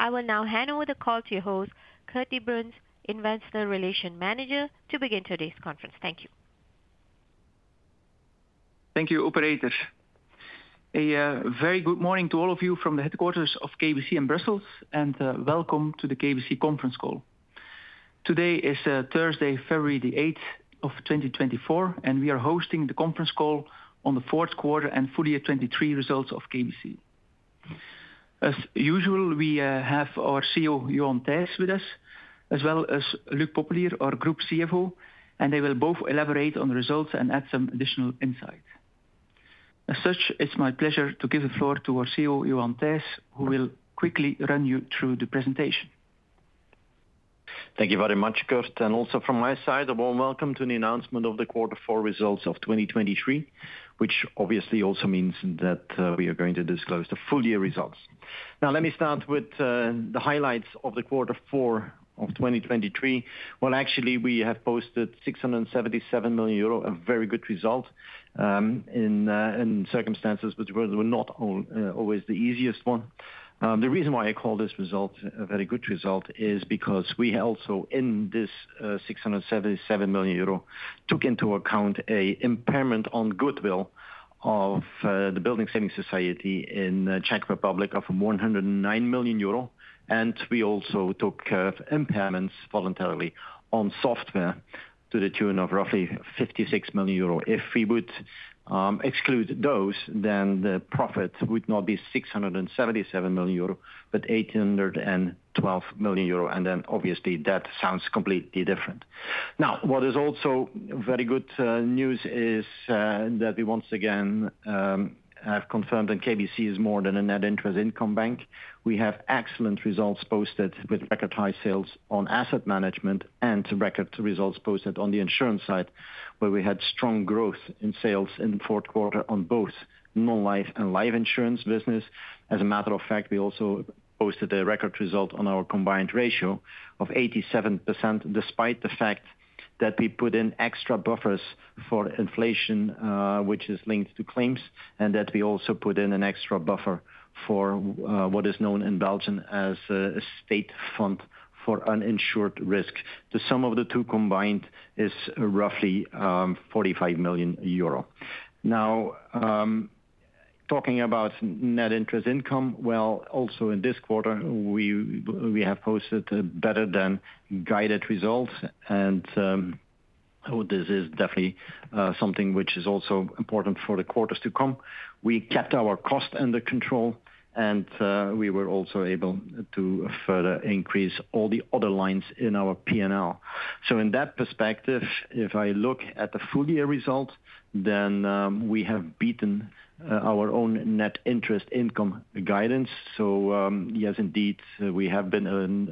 I will now hand over the call to your host, Kurt De Baenst, Investor Relations Manager, to begin today's conference. Thank you. Thank you, operator. A very good morning to all of you from the headquarters of KBC in Brussels, and welcome to the KBC conference call. Today is Thursday, February 8, 2024, and we are hosting the conference call on the 4Q and full year 2023 results of KBC. As usual, we have our CEO, Johan Thijs, with us, as well as Luc Popelier, our Group CFO, and they will both elaborate on the results and add some additional insight. As such, it's my pleasure to give the floor to our CEO, Johan Thijs, who will quickly run you through the presentation. Thank you very much, Kurt, and also from my side, a warm welcome to the announcement of the quarter four results of 2023, which obviously also means that we are going to disclose the full year results. Now, let me start with the highlights of the quarter four of 2023. Well, actually, we have posted 677 million euro, a very good result, in circumstances which were not always the easiest one. The reason why I call this result a very good result is because we also, in this 677 million euro, took into account a impairment on goodwill of the building savings society in Czech Republic of 109 million euro. And we also took impairments voluntarily on software to the tune of roughly 56 million euro. If we would exclude those, then the profit would not be 677 million euro, but 812 million euro, and then obviously, that sounds completely different. Now, what is also very good news is that we once again have confirmed that KBC is more than a net interest income bank. We have excellent results posted with record high sales on asset management and record results posted on the insurance side, where we had strong growth in sales in the 4Q on both non-life and life insurance business. As a matter of fact, we also posted a record result on our combined ratio of 87%, despite the fact that we put in extra buffers for inflation, which is linked to claims, and that we also put in an extra buffer for what is known in Belgium as a state fund for uninsured risk. The sum of the two combined is roughly 45 million euro. Now, talking about net interest income, well, also in this quarter, we, we have posted better than guided results, and, oh, this is definitely something which is also important for the quarters to come. We kept our cost under control, and we were also able to further increase all the other lines in our P&L. So in that perspective, if I look at the full year results, then we have beaten our own net interest income guidance. So yes, indeed, we have been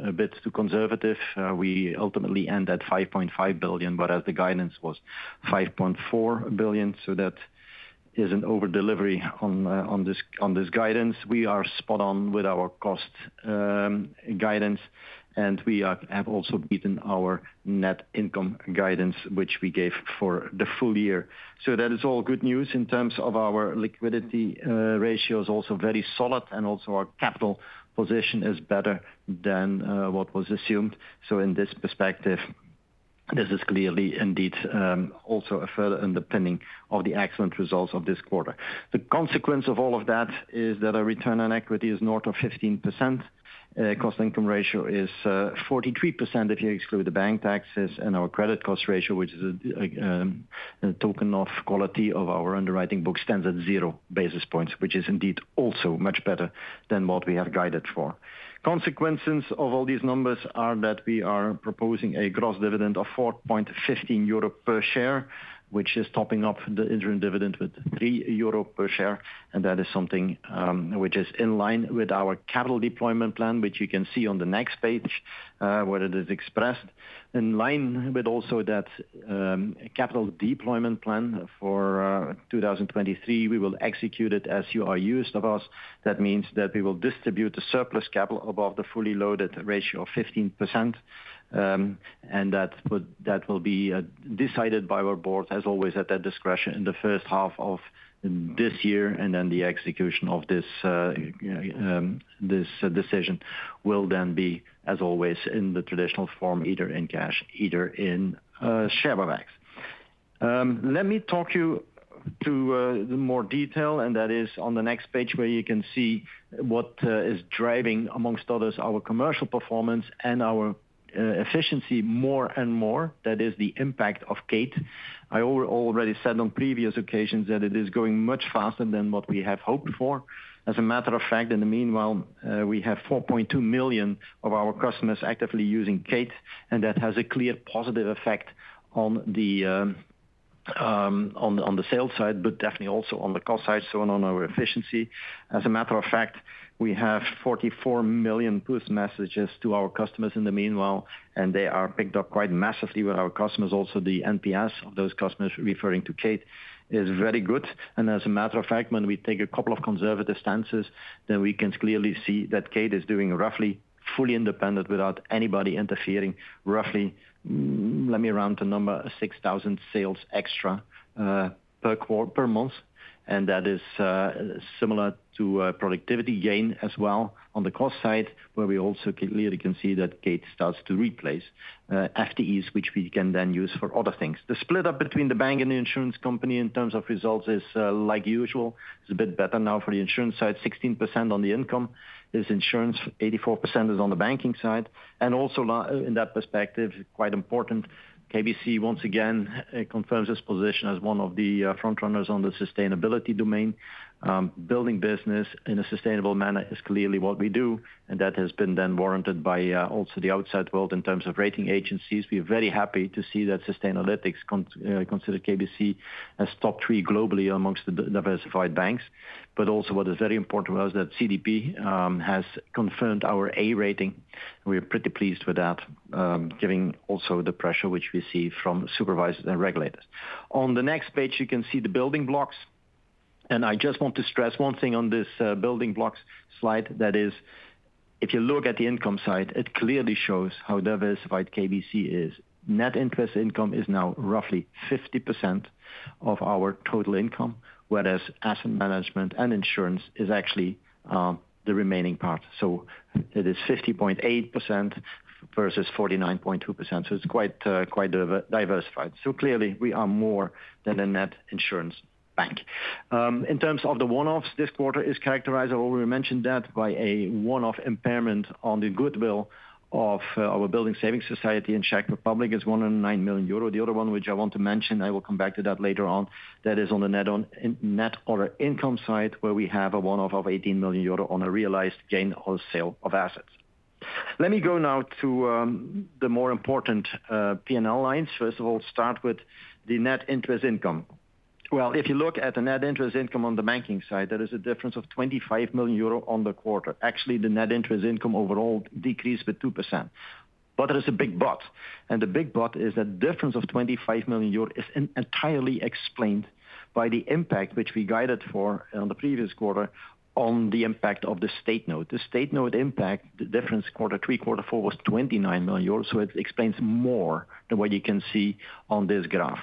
a bit too conservative. We ultimately end at 5.5 billion, but as the guidance was 5.4 billion, so that is an over delivery on this guidance. We are spot on with our cost guidance, and we have also beaten our net income guidance, which we gave for the full year. So that is all good news in terms of our liquidity ratio is also very solid, and also our capital position is better than what was assumed. So in this perspective, this is clearly indeed also a further underpinning of the excellent results of this quarter. The consequence of all of that is that our return on equity is north of 15%. Cost income ratio is 43%, if you exclude the bank taxes and our credit cost ratio, which is a token of quality of our underwriting book, stands at 0 basis points, which is indeed also much better than what we have guided for. Consequences of all these numbers are that we are proposing a gross dividend of 4.15 euro per share, which is topping up the interim dividend with 3 euro per share, and that is something, which is in line with our capital deployment plan, which you can see on the next page, where it is expressed. In line with also that, capital deployment plan for 2023, we will execute it as you are used of us. That means that we will distribute the surplus capital above the fully loaded ratio of 15%. And that will be decided by our board, as always, at their discretion in the first half of this year, and then the execution of this decision will then be, as always, in the traditional form, either in cash, either in share buybacks. Let me take you to more detail, and that is on the next page, where you can see what is driving, amongst others, our commercial performance and our efficiency more and more. That is the impact of Kate. I already said on previous occasions that it is going much faster than what we have hoped for. As a matter of fact, in the meanwhile, we have 4.2 million of our customers actively using Kate, and that has a clear positive effect on the, on the sales side, but definitely also on the cost side, so on, on our efficiency. As a matter of fact, we have 44 million push messages to our customers in the meanwhile, and they are picked up quite massively with our customers. Also, the NPS of those customers referring to Kate is very good, and as a matter of fact, when we take a couple of conservative stances, then we can clearly see that Kate is doing roughly, fully independent without anybody interfering, roughly, let me round the number, 6,000 sales extra per month, and that is similar to productivity gain as well on the cost side, where we also clearly can see that Kate starts to replace FTEs, which we can then use for other things. The split up between the bank and the insurance company in terms of results is like usual, it's a bit better now for the insurance side. 16% on the income is insurance, 84% is on the banking side, and also in that perspective, quite important, KBC, once again, confirms its position as one of the front runners on the sustainability domain. Building business in a sustainable manner is clearly what we do, and that has been then warranted by also the outside world in terms of rating agencies. We are very happy to see that Sustainalytics consider KBC as top three globally amongst the diversified banks. But also, what is very important to us, that CDP has confirmed our A rating. We're pretty pleased with that, giving also the pressure which we see from supervisors and regulators. On the next page, you can see the building blocks, and I just want to stress one thing on this building blocks slide. That is, if you look at the income side, it clearly shows how diversified KBC is. Net interest income is now roughly 50% of our total income, whereas asset management and insurance is actually the remaining part. So it is 50.8% versus 49.2%, so it's quite quite diversified. So clearly, we are more than a net insurance bank. In terms of the one-offs, this quarter is characterized, I already mentioned that, by a one-off impairment on the goodwill of our building savings society in Czech Republic, is 109 million euro. The other one, which I want to mention, I will come back to that later on, that is on the net other income side, where we have a one-off of 18 million euro on a realized gain or sale of assets. Let me go now to the more important P&L lines. First of all, start with the net interest income. Well, if you look at the net interest income on the banking side, there is a difference of 25 million euro on the quarter. Actually, the net interest income overall decreased by 2%. But there is a big but, and the big but is that difference of 25 million euros is entirely explained by the impact which we guided for on the previous quarter on the impact of the State Note. The State Note impact, the difference quarter three, quarter four, was 29 million euros, so it explains more than what you can see on this graph.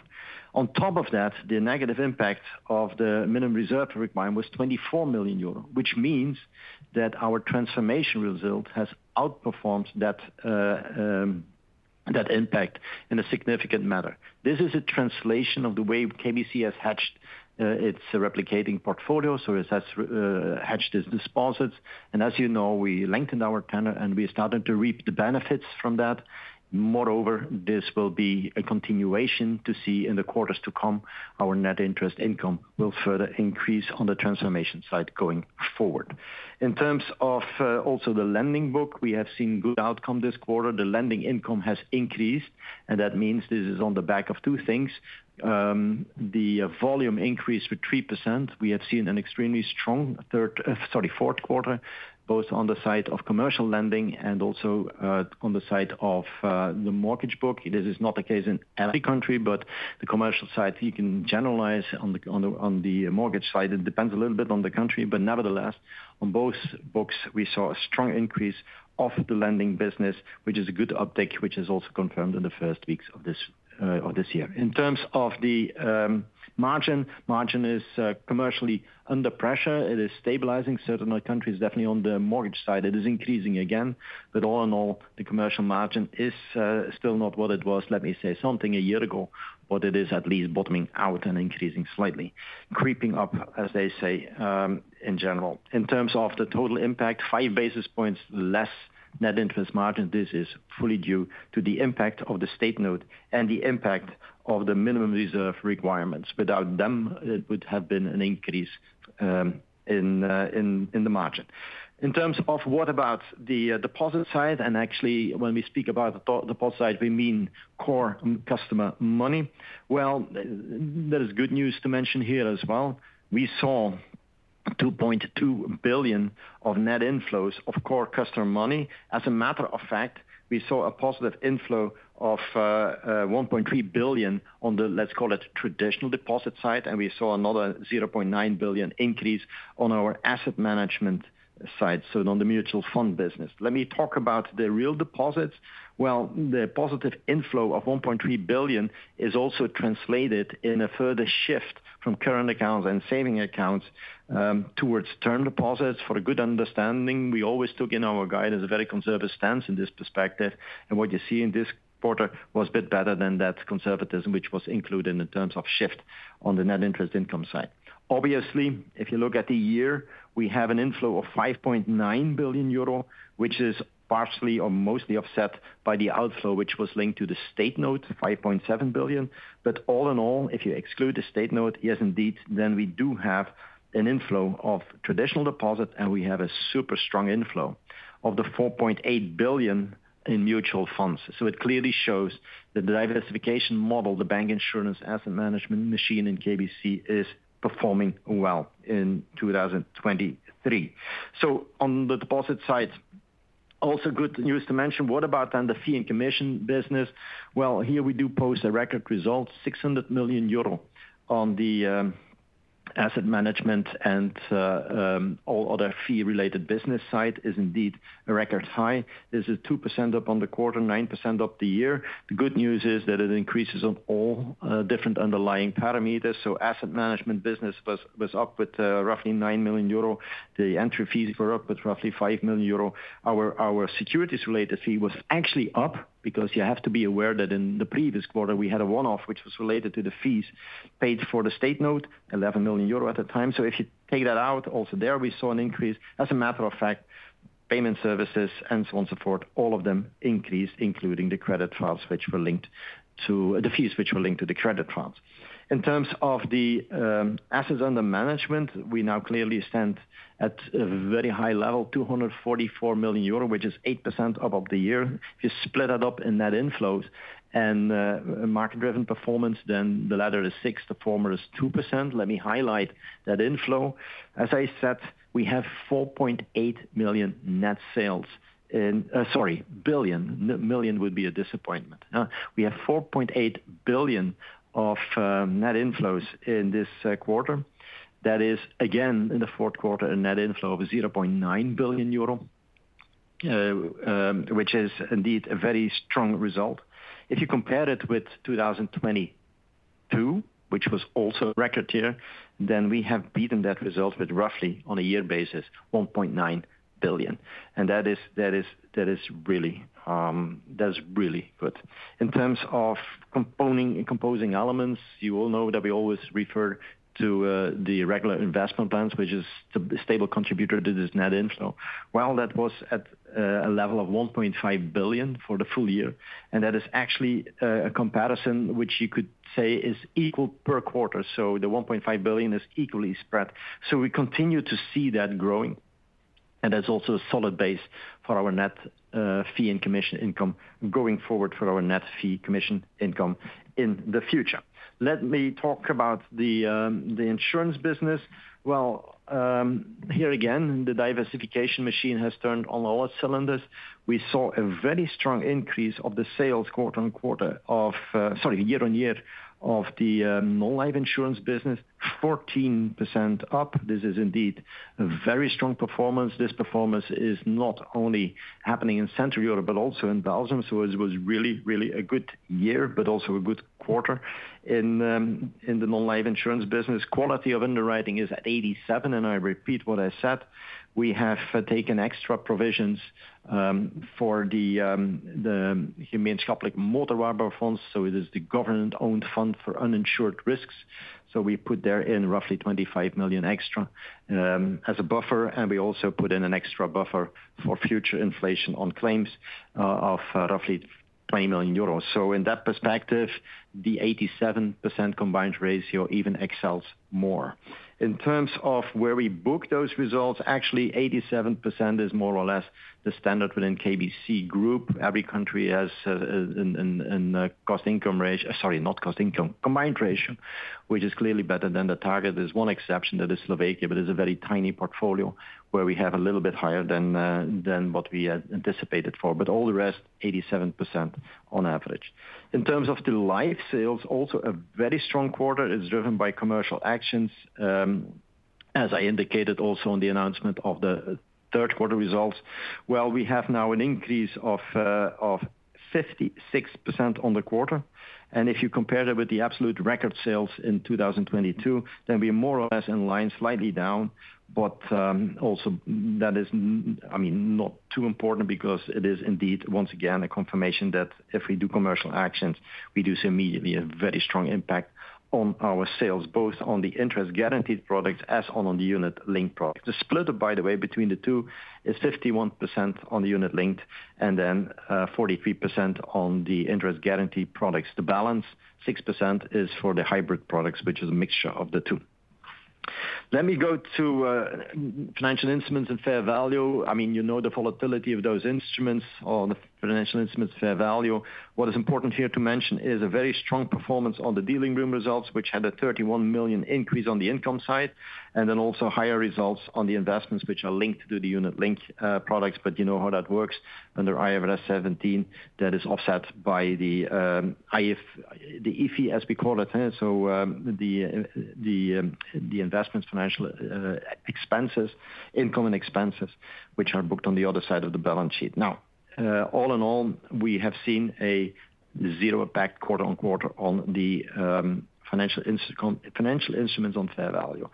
On top of that, the negative impact of the minimum reserve requirement was 24 million euro, which means that our transformation result has outperformed that, that impact in a significant manner. This is a translation of the way KBC has hedged, its replicating portfolio, so it has, hedged its deposits. And as you know, we lengthened our tenor, and we started to reap the benefits from that. Moreover, this will be a continuation to see in the quarters to come, our net interest income will further increase on the transformation side going forward. In terms of, also the lending book, we have seen good outcome this quarter. The lending income has increased, and that means this is on the back of two things. The volume increased with 3%. We have seen an extremely strong third, sorry, 4Q, both on the side of commercial lending and also on the side of the mortgage book. This is not the case in every country, but the commercial side, you can generalize on the mortgage side. It depends a little bit on the country, but nevertheless, on both books, we saw a strong increase of the lending business, which is a good uptake, which is also confirmed in the first weeks of this of this year. In terms of the margin, margin is commercially under pressure. It is stabilizing certain countries, definitely on the mortgage side. It is increasing again, but all in all, the commercial margin is still not what it was, let me say, something a year ago, but it is at least bottoming out and increasing slightly, creeping up, as they say, in general. In terms of the total impact, five basis points less Net Interest Margin, this is fully due to the impact of the State Note and the impact of the minimum reserve requirements. Without them, it would have been an increase in the margin. In terms of the deposit side, and actually, when we speak about deposit side, we mean core customer money. Well, there is good news to mention here as well. We saw 2.2 billion of net inflows of core customer money. As a matter of fact, we saw a positive inflow of 1.3 billion on the, let's call it, traditional deposit side, and we saw another 0.9 billion increase on our asset management side, so on the mutual fund business. Let me talk about the real deposits. Well, the positive inflow of 1.3 billion is also translated in a further shift from current accounts and saving accounts, towards term deposits. For a good understanding, we always took in our guide as a very conservative stance in this perspective, and what you see in this quarter was a bit better than that conservatism, which was included in terms of shift on the net interest income side. Obviously, if you look at the year, we have an inflow of 5.9 billion euro, which is partially or mostly offset by the outflow, which was linked to the State Note, 5.7 billion. But all in all, if you exclude the State Note, yes, indeed, then we do have an inflow of traditional deposits, and we have a super strong inflow of the 4.8 billion in mutual funds. So it clearly shows the diversification model, the bank insurance asset management machine in KBC is performing well in 2023. So on the deposit side... Also good news to mention, what about then the fee and commission business? Well, here we do post a record result, 600 million euro on the asset management and all other fee-related business side is indeed a record high. This is 2% up on the quarter, 9% up the year. The good news is that it increases on all different underlying parameters, so asset management business was, was up with roughly 9 million euro. The entry fees were up with roughly 5 million euro. Our securities-related fee was actually up because you have to be aware that in the previous quarter, we had a one-off, which was related to the fees paid for the State Note, 11 million euro at the time. So if you take that out, also there we saw an increase. As a matter of fact, payment services and so on, so forth, all of them increased, including the credit transfers, which were linked to the fees, which were linked to the credit transfers. In terms of the assets under management, we now clearly stand at a very high level, 244 million euro, which is 8% above the year. If you split it up in net inflows and market-driven performance, then the latter is 6%, the former is 2%. Let me highlight that inflow. As I said, we have 4.8 billion of net inflows in this quarter. That is, again, in the 4Q, a net inflow of 0.9 billion euro, which is indeed a very strong result. If you compare it with 2022, which was also a record year, then we have beaten that result with roughly, on a year basis, 1.9 billion. That is really good. In terms of component and composing elements, you all know that we always refer to the regular investment plans, which is the stable contributor to this net inflow. Well, that was at a level of 1.5 billion for the full year, and that is actually a comparison which you could say is equal per quarter. So the 1.5 billion is equally spread. So we continue to see that growing, and that's also a solid base for our net fee and commission income, going forward for our net fee commission income in the future. Let me talk about the insurance business. Well, here again, the diversification machine has turned on all cylinders. We saw a very strong increase of the sales quarter-on-quarter of. Sorry, year-on-year of the non-life insurance business, 14% up. This is indeed a very strong performance. This performance is not only happening in Central Europe, but also in Belgium. So it was really, really a good year, but also a good quarter in the non-life insurance business. Quality of underwriting is 87, and I repeat what I said, we have taken extra provisions for the Humasol-like motor third-party funds, so it is the government-owned fund for uninsured risks. So we put there in roughly 25 million extra as a buffer, and we also put in an extra buffer for future inflation on claims of roughly 20 million euros. So in that perspective, the 87% combined ratio even excels more. In terms of where we book those results, actually, 87% is more or less the standard within KBC Group. Every country has cost income ratio... Sorry, not cost income, combined ratio, which is clearly better than the target. There's one exception, that is Slovakia, but it's a very tiny portfolio where we have a little bit higher than what we had anticipated for. But all the rest, 87% on average. In terms of the life sales, also a very strong quarter. It's driven by commercial actions, as I indicated also on the announcement of the third quarter results. Well, we have now an increase of 56% on the quarter, and if you compare it with the absolute record sales in 2022, then we are more or less in line, slightly down. But, also that is, I mean, not too important because it is indeed, once again, a confirmation that if we do commercial actions, we do see immediately a very strong impact on our sales, both on the interest-guaranteed products as on the unit-linked products. The split up, by the way, between the two, is 51% on the unit-linked and then, 43% on the interest-guaranteed products. The balance, 6%, is for the hybrid products, which is a mixture of the two. Let me go to, financial instruments and fair value. I mean, you know the volatility of those instruments or the financial instruments fair value. What is important here to mention is a very strong performance on the dealing room results, which had a 31 million increase on the income side, and then also higher results on the investments, which are linked to the unit-linked products. But you know how that works. Under IFRS 17, that is offset by the IFE, as we call it. So, the investments, financial expenses, income and expenses, which are booked on the other side of the balance sheet. Now, all in all, we have seen a zero impact quarter on quarter on the financial instruments on fair value.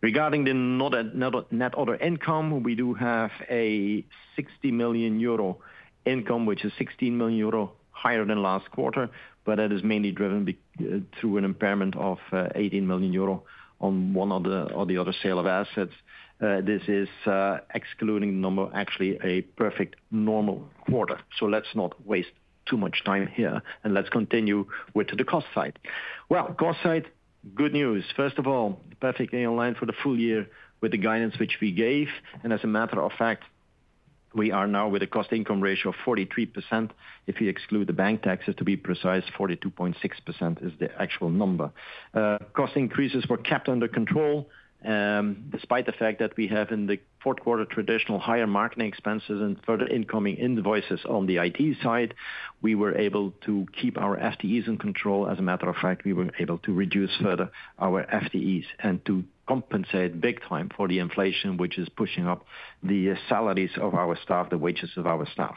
Regarding the net interest income, we do have a 60 million euro income, which is 16 million euro higher than last quarter, but that is mainly driven through an impairment of 18 million euro on one or the other sale of assets. This is, excluding number, actually a perfect normal quarter. So let's not waste too much time here, and let's continue with the cost side. Well, cost side, good news. First of all, perfectly in line for the full year with the guidance which we gave, and as a matter of fact. We are now with a cost-income ratio of 43%. If you exclude the bank taxes, to be precise, 42.6% is the actual number. Cost increases were kept under control, despite the fact that we have in the 4Q traditional higher marketing expenses and further incoming invoices on the IT side, we were able to keep our FTEs in control. As a matter of fact, we were able to reduce further our FTEs and to compensate big time for the inflation, which is pushing up the salaries of our staff, the wages of our staff.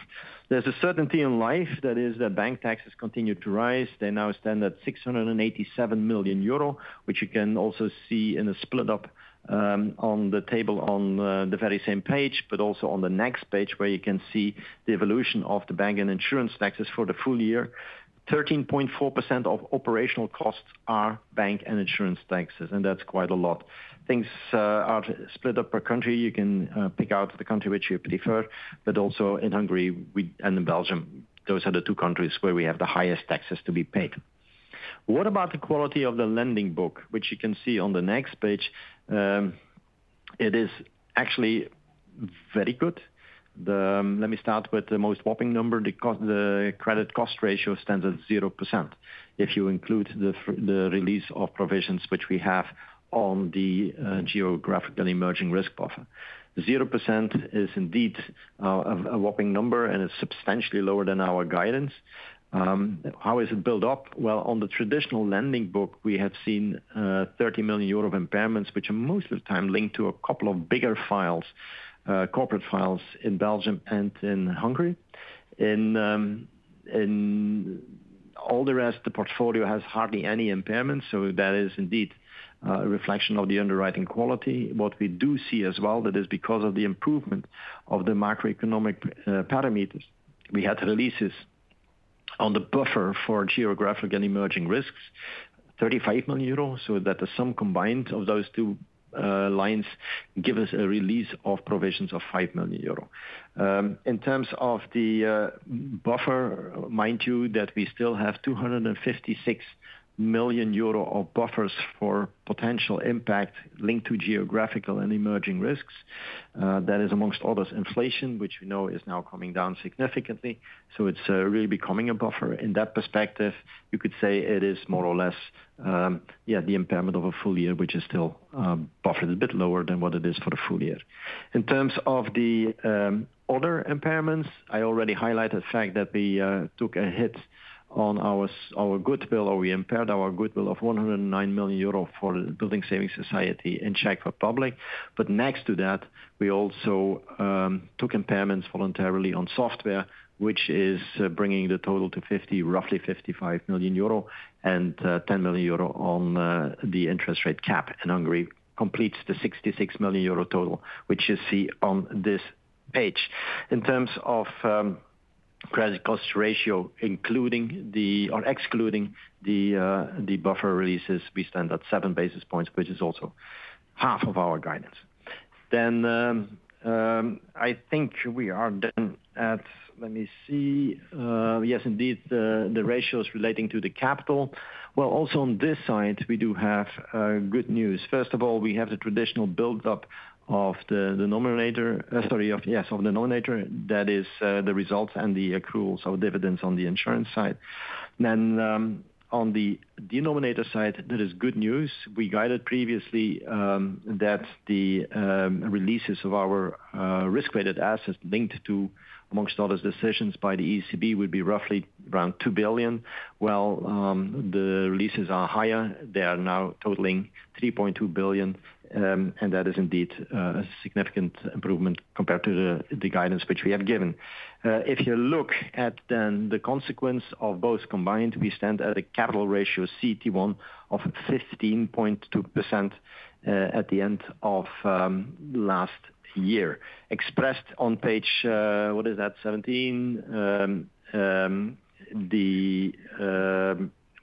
There's a certainty in life, that is that bank taxes continue to rise. They now stand at 687 million euro, which you can also see in a split up on the table on the very same page, but also on the next page, where you can see the evolution of the bank and insurance taxes for the full year. 13.4% of operational costs are bank and insurance taxes, and that's quite a lot. Things are split up per country. You can pick out the country which you prefer, but also in Hungary and in Belgium, those are the two countries where we have the highest taxes to be paid. What about the quality of the lending book? Which you can see on the next page. It is actually very good. Let me start with the most whopping number, the credit cost ratio stands at 0%. If you include the release of provisions, which we have on the geographical emerging risk buffer. 0% is indeed a whopping number, and it's substantially lower than our guidance. How is it built up? Well, on the traditional lending book, we have seen 30 million euro of impairments, which are most of the time linked to a couple of bigger files, corporate files in Belgium and in Hungary. In all the rest, the portfolio has hardly any impairment, so that is indeed a reflection of the underwriting quality. What we do see as well, that is because of the improvement of the macroeconomic parameters. We had releases on the buffer for geographic and emerging risks, 35 million euros, so that the sum combined of those two lines give us a release of provisions of 5 million euro. In terms of the buffer, mind you, that we still have 256 million euro of buffers for potential impact linked to geographical and emerging risks. That is, among others, inflation, which we know is now coming down significantly, so it's really becoming a buffer. In that perspective, you could say it is more or less the impairment of a full year, which is still buffered a bit lower than what it is for the full year. In terms of the other impairments, I already highlighted the fact that we took a hit on our goodwill, or we impaired our goodwill of 109 million euro for Building Savings Society in Czech Republic. But next to that, we also took impairments voluntarily on software, which is bringing the total to 50, roughly 55 million euro and 10 million euro on the interest rate cap, and Hungary completes the 66 million euro total, which you see on this page. In terms of credit cost ratio, including the or excluding the buffer releases, we stand at seven basis points, which is also half of our guidance. Then, I think we are then at. Let me see. Yes, indeed, the ratios relating to the capital. Well, also on this side, we do have good news. First of all, we have the traditional build-up of the numerator. Sorry, of the numerator. That is the results and the accruals of dividends on the insurance side. Then, on the denominator side, that is good news. We guided previously that the releases of our risk-weighted assets linked to, among others, decisions by the ECB, would be roughly around 2 billion. Well, the releases are higher. They are now totaling 3.2 billion, and that is indeed a significant improvement compared to the guidance which we have given. If you look at then the consequence of both combined, we stand at a capital ratio CTE1 of 15.2%, at the end of last year. Expressed on page 17, the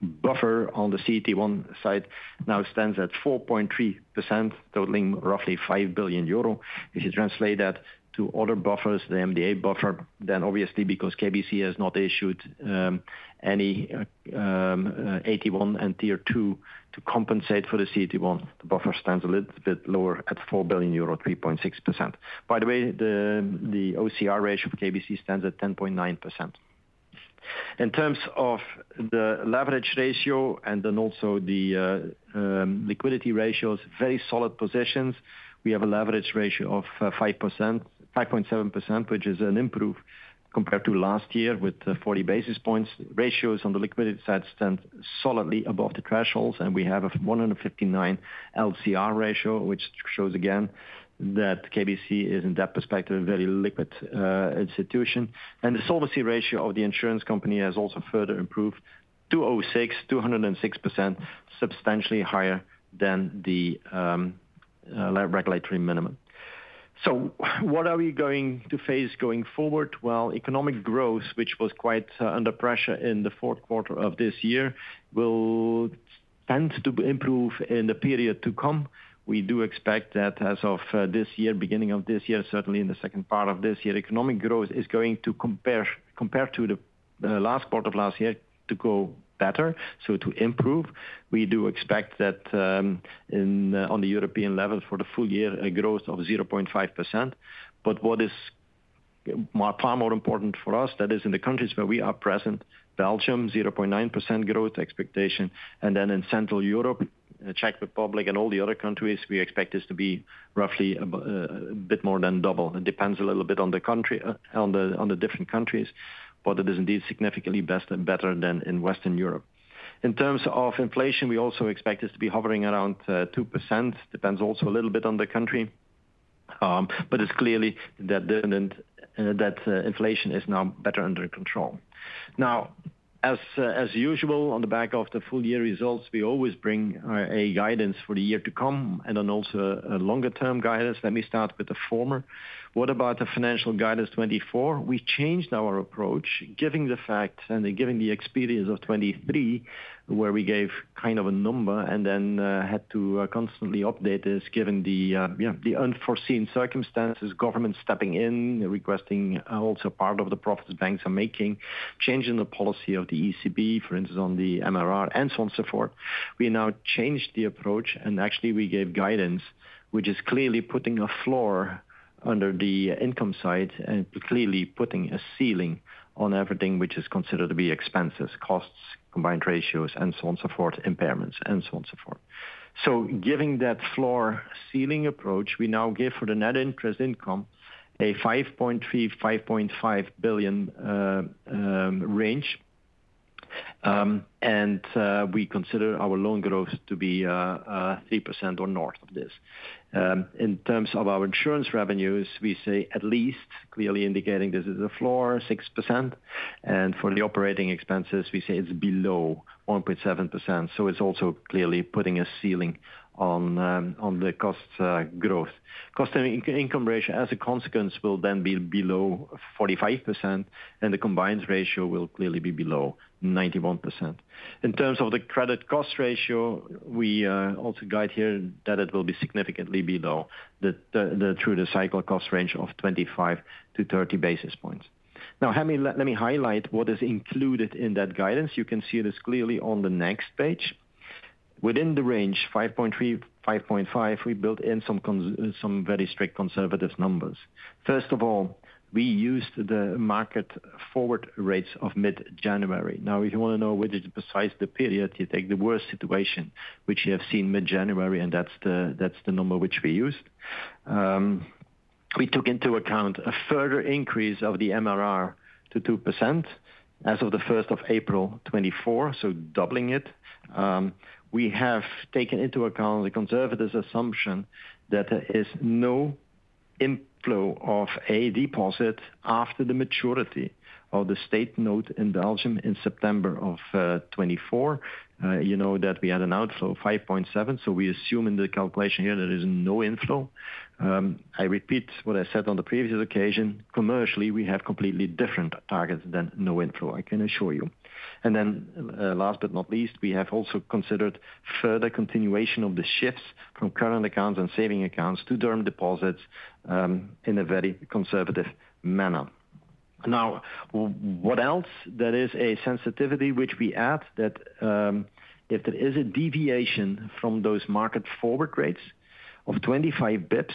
buffer on the CTE1 side now stands at 4.3%, totaling roughly 5 billion euro. If you translate that to other buffers, the MDA buffer, then obviously because KBC has not issued any AT1 and Tier 2 to compensate for the CTE1, the buffer stands a little bit lower at 4 billion euro, 3.6%. By the way, the OCR ratio for KBC stands at 10.9%. In terms of the leverage ratio and then also the liquidity ratios, very solid positions. We have a leverage ratio of 5%, 5.7%, which is an improvement compared to last year, with 40 basis points. Ratios on the liquidity side stand solidly above the thresholds, and we have a 159 LCR ratio, which shows again that KBC is, in that perspective, a very liquid institution. And the solvency ratio of the insurance company has also further improved to 206%, substantially higher than the regulatory minimum. So what are we going to face going forward? Well, economic growth, which was quite under pressure in the 4Q of this year, will tend to improve in the period to come. We do expect that as of this year, beginning of this year, certainly in the second part of this year, economic growth is going to compared to the last quarter of last year, to go better, so to improve. We do expect that, in on the European level for the full year, a growth of 0.5%. But far more important for us, that is in the countries where we are present, Belgium, 0.9% growth expectation, and then in Central Europe, Czech Republic, and all the other countries, we expect this to be roughly a bit more than double. It depends a little bit on the country, on the different countries, but it is indeed significantly best and better than in Western Europe. In terms of inflation, we also expect this to be hovering around 2%, depends also a little bit on the country. But it's clearly that inflation is now better under control. Now, as usual, on the back of the full year results, we always bring a guidance for the year to come and then also a longer-term guidance. Let me start with the former. What about the financial guidance 2024? We changed our approach, giving the fact and giving the experience of 2023, where we gave kind of a number and then had to constantly update this, given the yeah, the unforeseen circumstances, government stepping in, requesting also part of the profits banks are making, changing the policy of the ECB, for instance, on the MRR, and so on, so forth. We now changed the approach, and actually, we gave guidance, which is clearly putting a floor under the income side and clearly putting a ceiling on everything which is considered to be expenses, costs, combined ratios, and so on, so forth, impairments, and so on, so forth. So giving that floor-ceiling approach, we now give for the net interest income a 5.3 billion-5.5 billion range. And we consider our loan growth to be 3% or north of this. In terms of our insurance revenues, we say at least, clearly indicating this is a floor, 6%, and for the operating expenses, we say it's below 1.7%. So it's also clearly putting a ceiling on the cost growth. Cost-income ratio, as a consequence, will then be below 45%, and the combined ratio will clearly be below 91%. In terms of the credit cost ratio, we also guide here that it will be significantly below the through the cycle cost range of 25-30 basis points. Now, let me highlight what is included in that guidance. You can see this clearly on the next page. Within the range, 5.3-5.5, we built in some very strict conservative numbers. First of all, we used the market forward rates of mid-January. Now, if you want to know which is precise the period, you take the worst situation, which you have seen mid-January, and that's the number which we used. We took into account a further increase of the MRR to 2% as of the first of April 2024, so doubling it. We have taken into account the conservative assumption that there is no inflow of a deposit after the maturity of the State Note in Belgium in September of 2024. You know that we had an outflow of 5.7, so we assume in the calculation here there is no inflow. I repeat what I said on the previous occasion, commercially, we have completely different targets than no inflow, I can assure you. And then, last but not least, we have also considered further continuation of the shifts from current accounts and saving accounts to term deposits, in a very conservative manner. Now, what else? There is a sensitivity which we add that, if there is a deviation from those market forward rates of 25 bps,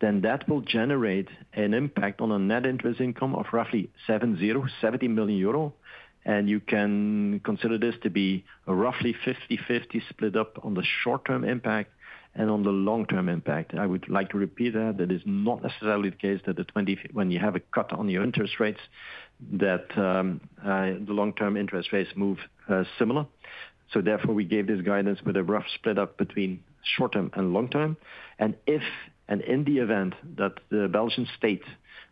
then that will generate an impact on a net interest income of roughly 70 million euro. And you can consider this to be roughly 50/50 split up on the short-term impact and on the long-term impact. I would like to repeat that. That is not necessarily the case, that when you have a cut on your interest rates, that, the long-term interest rates move similar. So therefore, we gave this guidance with a rough split up between short term and long term. And if, and in the event that the Belgian state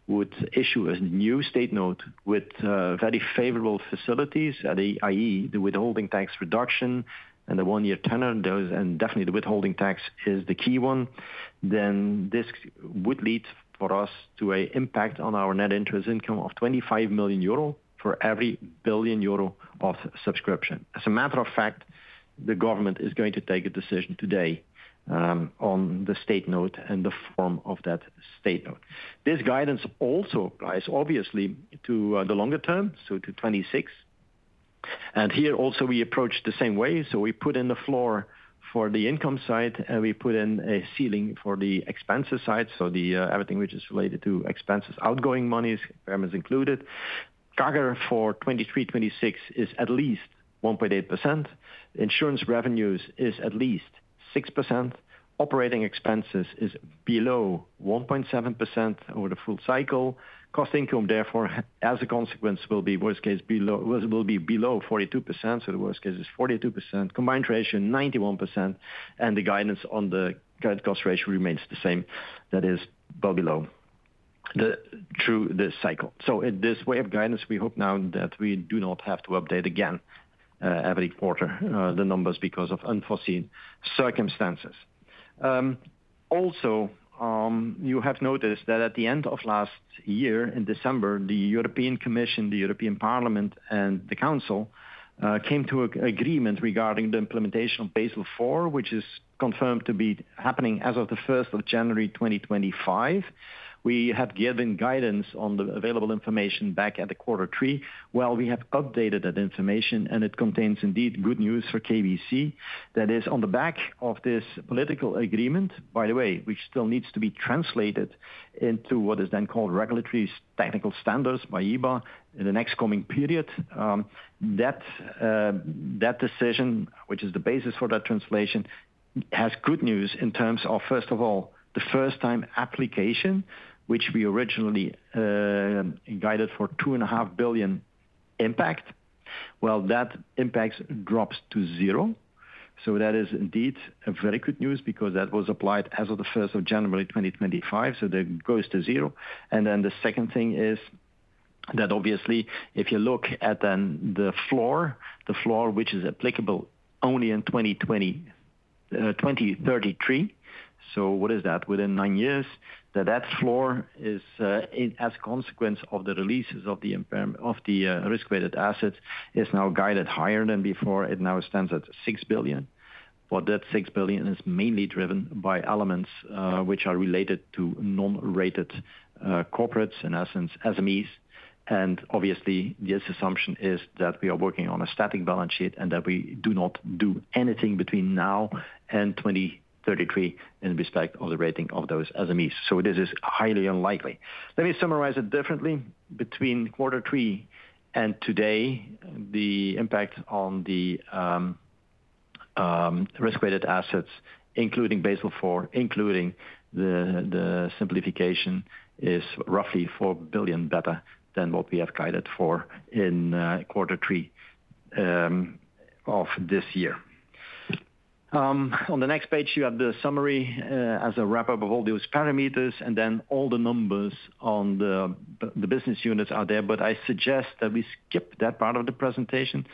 would issue a new State Note with very favorable facilities, at i.e., the withholding tax reduction and the one-year tenor, those, and definitely the withholding tax is the key one, then this would lead for us to an impact on our net interest income of 25 million euro for every 1 billion euro of subscription. As a matter of fact, the government is going to take a decision today on the State Note and the form of that State Note. This guidance also applies obviously to the longer term, so to 2026. And here also we approach the same way. So we put in the floor for the income side, and we put in a ceiling for the expenses side. So the everything which is related to expenses, outgoing monies, CRM is included. CAGR for 2023-2026 is at least 1.8%. Insurance revenues is at least 6%. Operating expenses is below 1.7% over the full cycle. Cost income, therefore, as a consequence, will be worst case below 42%, so the worst case is 42%. Combined ratio, 91%, and the guidance on the credit cost ratio remains the same, that is, well below the through this cycle. So in this way of guidance, we hope now that we do not have to update again every quarter the numbers because of unforeseen circumstances. Also, you have noticed that at the end of last year, in December, the European Commission, the European Parliament, and the Council came to an agreement regarding the implementation of Basel IV, which is confirmed to be happening as of the first of January 2025. We had given guidance on the available information back at the quarter three. Well, we have updated that information, and it contains indeed good news for KBC. That is on the back of this political agreement, by the way, which still needs to be translated into what is then called regulatory technical standards by EBA in the next coming period. That decision, which is the basis for that translation, has good news in terms of, first of all, the first-time application, which we originally guided for 2.5 billion impact. Well, that impact drops to zero. So that is indeed a very good news because that was applied as of the first of January 2025, so that goes to zero. And then the second thing is, that obviously, if you look at then the floor, the floor which is applicable only in 2023, 2033. So what is that? Within nine years, that floor is, as a consequence of the releases of the impairments of the Risk-Weighted Assets, now guided higher than before. It now stands at 6 billion. But that six billion is mainly driven by elements, which are related to non-rated corporates, in essence, SMEs. And obviously, this assumption is that we are working on a static balance sheet and that we do not do anything between now and 2033 in respect of the rating of those SMEs, so this is highly unlikely. Let me summarize it differently. Between quarter three and today, the impact on the risk-weighted assets, including Basel IV, including the simplification, is roughly 4 billion better than what we have guided for in quarter three of this year. On the next page, you have the summary as a wrap-up of all those parameters, and then all the numbers on the business units are there, but I suggest that we skip that part of the presentation.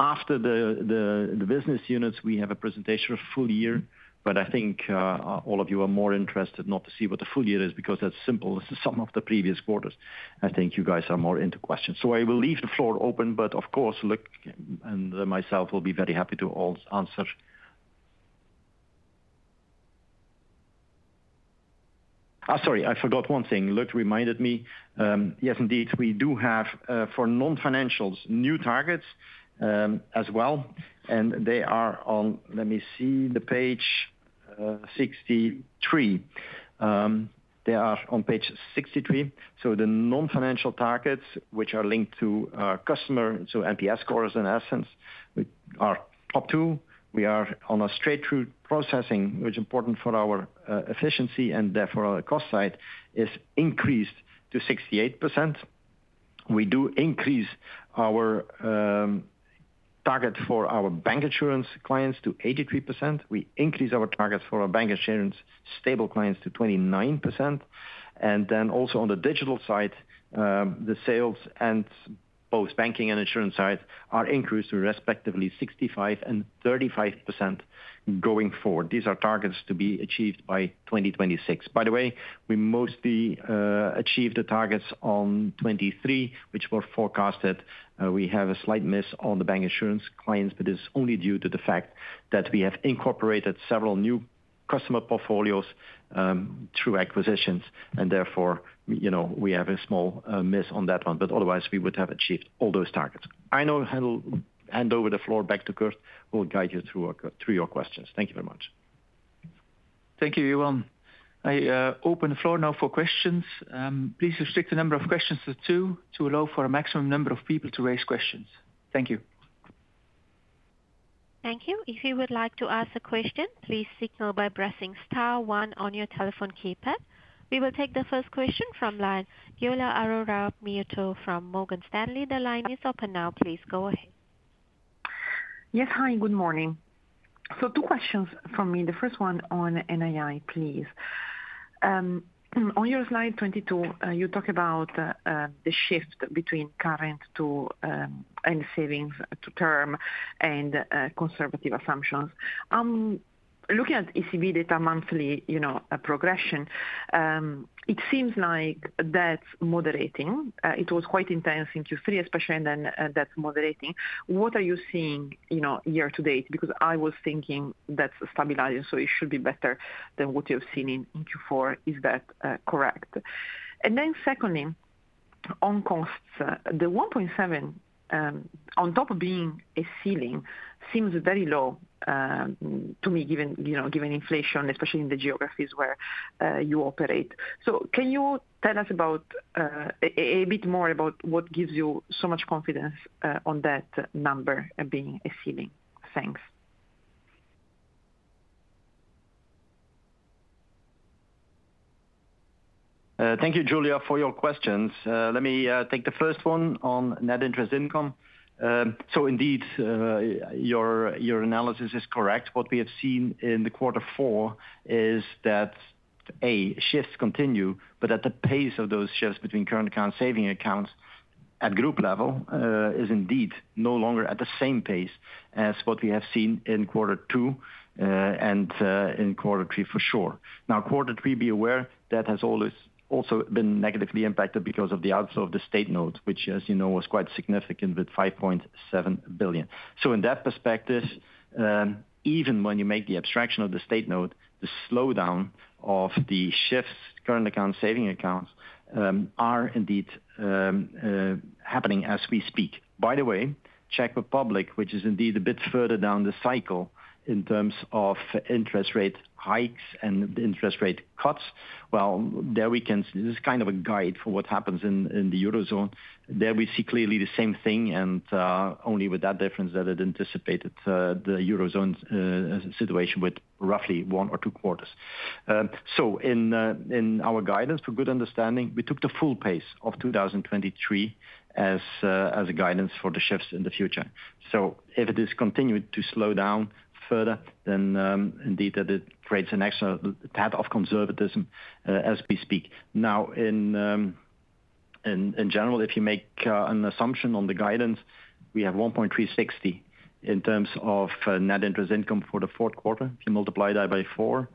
After the business units, we have a presentation of full year, but I think all of you are more interested not to see what the full year is, because that's simple. This is some of the previous quarters. I think you guys are more into questions. So I will leave the floor open, but of course, Luc and myself will be very happy to all answer. Sorry, I forgot one thing. Luc reminded me, yes, indeed, we do have, for non-financials, new targets, as well, and they are on... Let me see, the page, sixty-three. They are on page 63. So the non-financial targets, which are linked to our customer, so NPS scores, in essence, are top two. We are on a straight-through processing, which is important for our, efficiency and therefore our cost side, is increased to 68%. We do increase our, target for our bank insurance clients to 83%. We increase our target for our bank insurance stable clients to 29%. Then also on the digital side, the sales on both banking and insurance sides are increased to respectively 65% and 35% going forward. These are targets to be achieved by 2026. By the way, we mostly achieved the targets on 2023, which were forecasted. We have a slight miss on the bank insurance clients, but it's only due to the fact that we have incorporated several new customer portfolios through acquisitions, and therefore, you know, we have a small miss on that one, but otherwise we would have achieved all those targets. I now hand over the floor back to Kurt, who will guide you through your questions. Thank you very much. Thank you, Johan. I open the floor now for questions. Please restrict the number of questions to two, to allow for a maximum number of people to raise questions. Thank you. Thank you. If you would like to ask a question, please signal by pressing star one on your telephone keypad. We will take the first question from line, Giulia Aurora Miotto from Morgan Stanley. The line is open now. Please go ahead. Yes, hi, good morning. So two questions from me. The first one on NII, please. On your slide 22, you talk about the shift between current to, and savings to term and conservative assumptions. Looking at ECB data monthly, you know, progression, it seems like that's moderating. It was quite intense in Q3, especially, and then that's moderating. What are you seeing, you know, year to date? Because I was thinking that's stabilizing, so it should be better than what you have seen in Q4. Is that correct? And then secondly, on costs, the 1.7, on top of being a ceiling, seems very low to me, given, you know, given inflation, especially in the geographies where you operate. So, can you tell us a bit more about what gives you so much confidence on that number being a ceiling? Thanks. Thank you, Giulia, for your questions. Let me take the first one on net interest income. So indeed, your analysis is correct. What we have seen in quarter four is that shifts continue, but at the pace of those shifts between current account, saving accounts at group level is indeed no longer at the same pace as what we have seen in quarter two, and in quarter three, for sure. Now, quarter three, be aware, that has always also been negatively impacted because of the outflow of the State Note, which, as you know, was quite significant with 5.7 billion. So in that perspective, even when you make the abstraction of the State Note, the slowdown of the shifts, current account, saving accounts, are indeed happening as we speak. By the way, Czech Republic, which is indeed a bit further down the cycle in terms of interest rate hikes and the interest rate cuts, well, there we can, this is kind of a guide for what happens in the Eurozone. There we see clearly the same thing, and only with that difference that it anticipated the Eurozone's situation with roughly one or two quarters. So in our guidance for good understanding, we took the full pace of 2023 as a guidance for the shifts in the future. So if it is continuing to slow down further, then indeed that it creates an extra tad of conservatism as we speak. Now, in general, if you make an assumption on the guidance, we have 1.360 in terms of net interest income for the 4Q. If you multiply that by 4,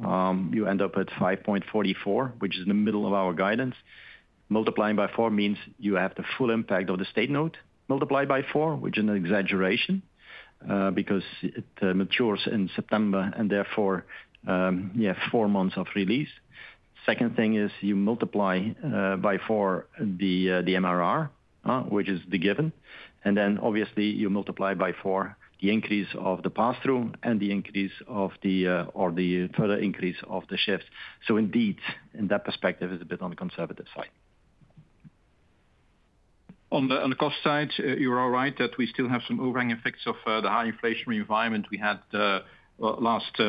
you end up at 5.44, which is in the middle of our guidance. Multiplying by 4 means you have the full impact of the State Note. Multiply by 4, which is an exaggeration, because it matures in September, and therefore, you have 4 months of release. Second thing is you multiply by 4, the MRR, which is the given, and then obviously, you multiply by 4, the increase of the pass-through and the increase of the, or the further increase of the shifts. So indeed, in that perspective, it's a bit on the conservative side. On the cost side, you are all right that we still have some overhanging effects of the high inflationary environment we had last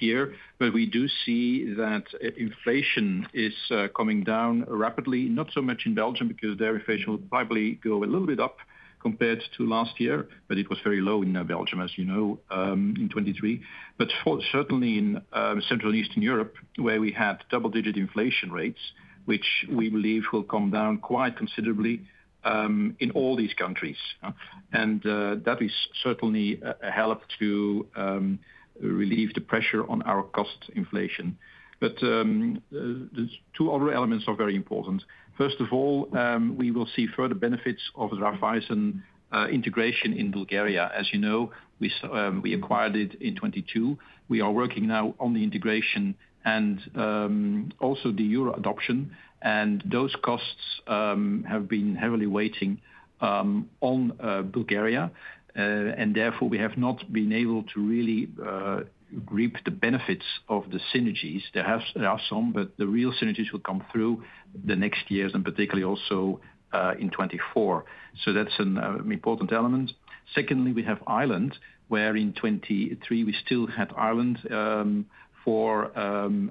year. But we do see that inflation is coming down rapidly, not so much in Belgium, because their inflation will probably go a little bit up compared to last year, but it was very low in Belgium, as you know, in 2023. But certainly in Central Eastern Europe, where we had double-digit inflation rates, which we believe will come down quite considerably in all these countries. And that is certainly a help to relieve the pressure on our cost inflation. But there's two other elements are very important. First of all, we will see further benefits of Raiffeisen integration in Bulgaria. As you know, we acquired it in 2022. We are working now on the integration and also the Euro adoption, and those costs have been heavily weighing on Bulgaria. And therefore, we have not been able to really reap the benefits of the synergies. There are some, but the real synergies will come through the next years, and particularly also in 2024. So that's an important element. Secondly, we have Ireland, where in 2023, we still had Ireland for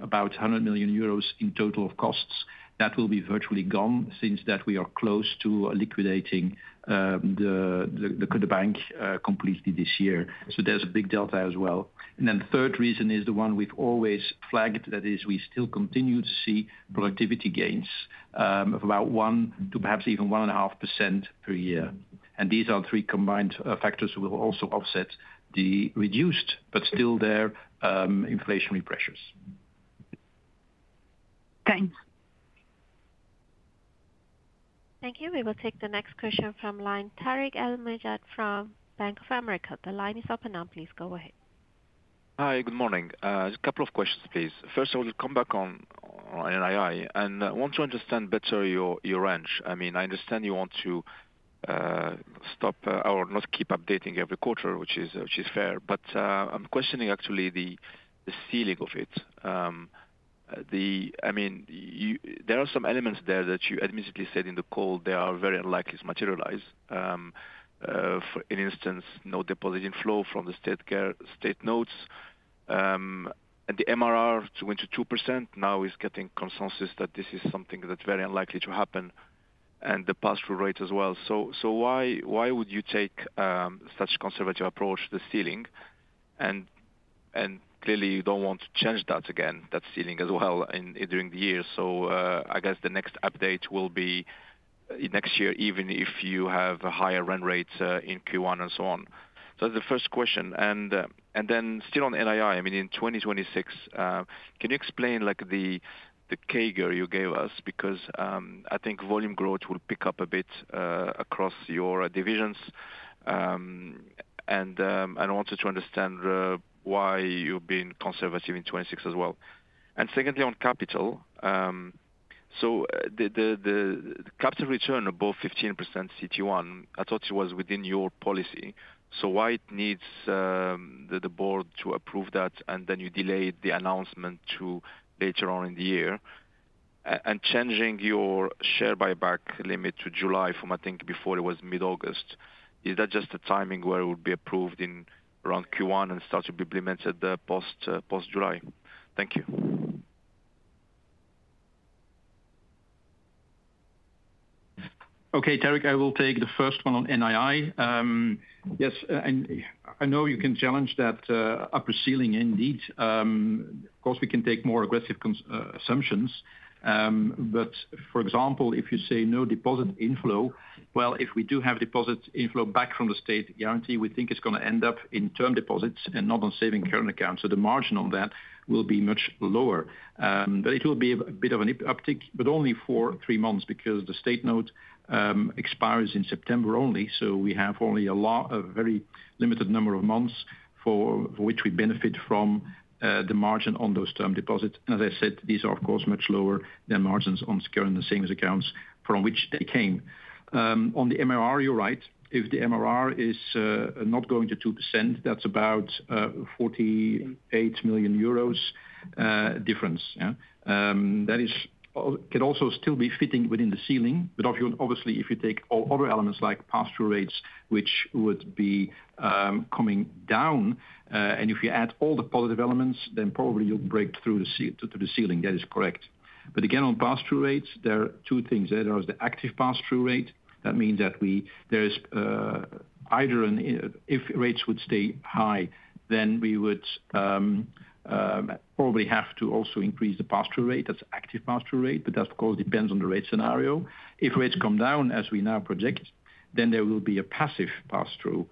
about 100 million euros in total of costs. That will be virtually gone, since that we are close to liquidating the bank completely this year. So there's a big delta as well. And then the third reason is the one we've always flagged, that is we still continue to see productivity gains of about 1 to perhaps even 1.5% per year. And these are three combined factors will also offset the reduced, but still there, inflationary pressures. Thanks. Thank you. We will take the next question from line, Tarik El Mejjad from Bank of America. The line is open now. Please go ahead. Hi, good morning. A couple of questions, please. First of all, to come back on NII, and I want to understand better your range. I mean, I understand you want to stop or not keep updating every quarter, which is fair, but I'm questioning actually the ceiling of it. I mean, you- there are some elements there that you admittedly said in the call, they are very unlikely to materialize. For instance, no deposit inflow from the state notes, and the MRR too went to 2%, now is getting consensus that this is something that's very unlikely to happen, and the pass-through rate as well. So why would you take such conservative approach to the ceiling? Clearly, you don't want to change that again, that ceiling as well, during the year. So, I guess the next update will be next year, even if you have higher run rates in Q1 and so on. So the first question, and then still on NII, I mean, in 2026, can you explain, like, the CAGR you gave us? Because I think volume growth will pick up a bit across your divisions. And I wanted to understand why you've been conservative in 2026 as well. And secondly, on capital, so the capital return above 15% CTE1, I thought it was within your policy. So why it needs the board to approve that, and then you delayed the announcement to later on in the year? Changing your share buyback limit to July from, I think before it was mid-August, is that just a timing where it would be approved in around Q1 and start to be implemented, post, post-July? Thank you. ... Okay, Tariq, I will take the first one on NII. Yes, and I know you can challenge that upper ceiling indeed. Of course, we can take more aggressive conservative assumptions. But for example, if you say no deposit inflow, well, if we do have deposit inflow back from the state guarantee, we think it's gonna end up in term deposits and not on saving current accounts, so the margin on that will be much lower. But it will be a bit of an uptick, but only for three months because the State Note expires in September only, so we have only a very limited number of months for which we benefit from the margin on those term deposits. As I said, these are, of course, much lower than margins on securing the savings accounts from which they came. On the MRR, you're right. If the MRR is not going to 2%, that's about 48 million euros difference. Yeah. That is can also still be fitting within the ceiling, but obviously, if you take other elements like pass-through rates, which would be coming down, and if you add all the positive elements, then probably you'll break through the ceiling. That is correct. But again, on pass-through rates, there are two things there. There is the active pass-through rate. That means that there is either an if rates would stay high, then we would probably have to also increase the pass-through rate. That's active pass-through rate, but that, of course, depends on the rate scenario. If rates come down as we now project, then there will be a passive pass-through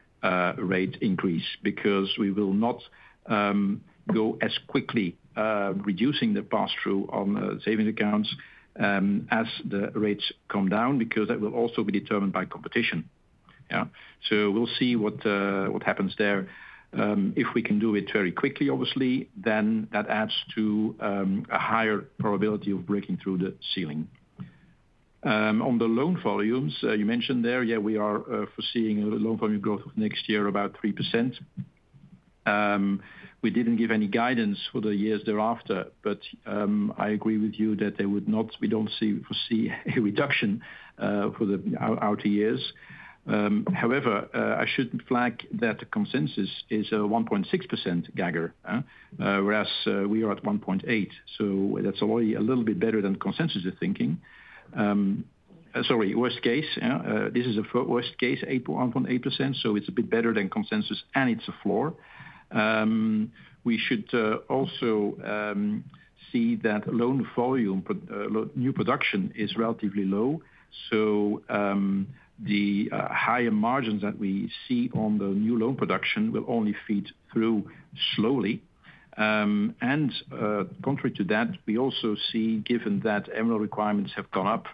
rate increase because we will not go as quickly reducing the pass-through on savings accounts as the rates come down, because that will also be determined by competition. Yeah. So we'll see what happens there. If we can do it very quickly, obviously, then that adds to a higher probability of breaking through the ceiling. On the loan volumes you mentioned there, yeah, we are foreseeing a loan volume growth of next year, about 3%. We didn't give any guidance for the years thereafter, but I agree with you that they would not. We don't foresee a reduction for the outer years. However, I should flag that the consensus is 1.6% CAGR, whereas we are at 1.8, so that's already a little bit better than consensus thinking. Sorry, worst case, yeah. This is a worst case, 1.8%, so it's a bit better than consensus, and it's a floor. We should also see that loan volume, but new production is relatively low, so the higher margins that we see on the new loan production will only feed through slowly. And contrary to that, we also see, given that MRO requirements have gone up,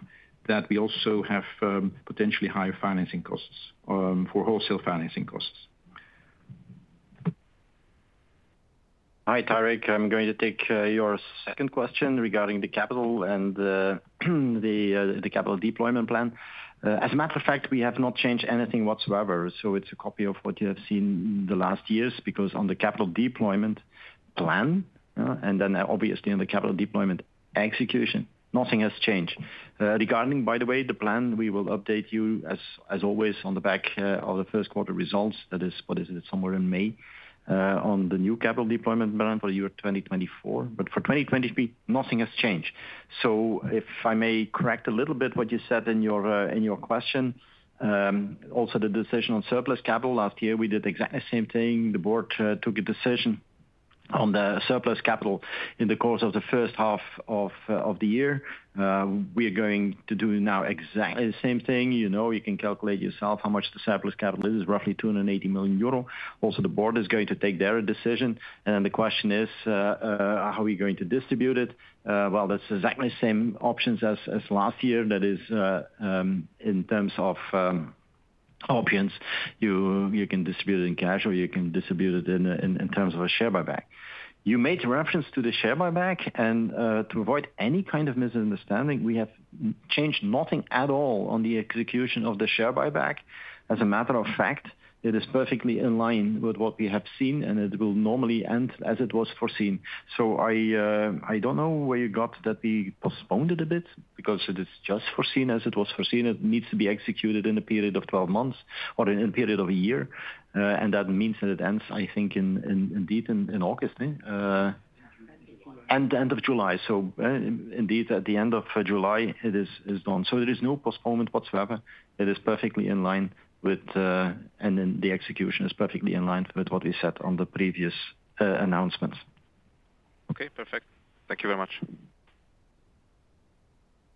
that we also have potentially higher financing costs for wholesale financing costs. Hi, Tariq. I'm going to take your second question regarding the capital and the capital deployment plan. As a matter of fact, we have not changed anything whatsoever, so it's a copy of what you have seen in the last years, because on the capital deployment plan, and then, obviously, on the capital deployment execution, nothing has changed. Regarding, by the way, the plan, we will update you as always, on the back of the first quarter results. That is, what is it? Somewhere in May, on the new capital deployment plan for the year 2024. But for 2023, nothing has changed. So if I may correct a little bit what you said in your, in your question, also the decision on surplus capital. Last year, we did the exact same thing. The board took a decision on the surplus capital in the course of the first half of the year. We are going to do now exactly the same thing. You know, you can calculate yourself how much the surplus capital is, roughly 280 million euro. Also, the board is going to take their decision, and then the question is, how are we going to distribute it? Well, that's exactly the same options as last year. That is, in terms of options, you can distribute it in cash, or you can distribute it in terms of a share buyback. You made reference to the share buyback, and to avoid any kind of misunderstanding, we have changed nothing at all on the execution of the share buyback. As a matter of fact, it is perfectly in line with what we have seen, and it will normally end as it was foreseen. So I, I don't know where you got that we postponed it a bit because it is just foreseen as it was foreseen. It needs to be executed in a period of 12 months or in a period of a year, and that means that it ends, I think, in, indeed, in August, end of July. So, indeed, at the end of July, it is done. So there is no postponement whatsoever. It is perfectly in line with... And then the execution is perfectly in line with what we said on the previous announcements. Okay, perfect. Thank you very much.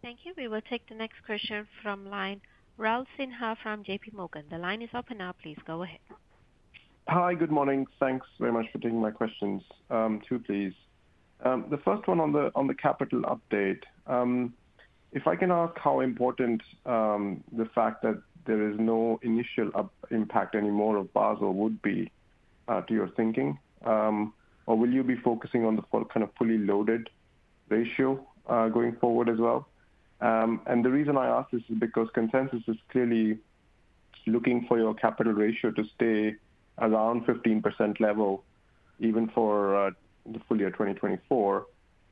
Thank you. We will take the next question from line, Raul Sinha from JP Morgan. The line is open now. Please go ahead. Hi, good morning. Thanks very much for taking my questions. Two, please. The first one on the, on the capital update. If I can ask how important the fact that there is no initial up impact anymore of Basel would be to your thinking? Or will you be focusing on the full, kind of, fully loaded ratio going forward as well? And the reason I ask this is because consensus is clearly looking for your capital ratio to stay around 15% level, even for the full year 2024.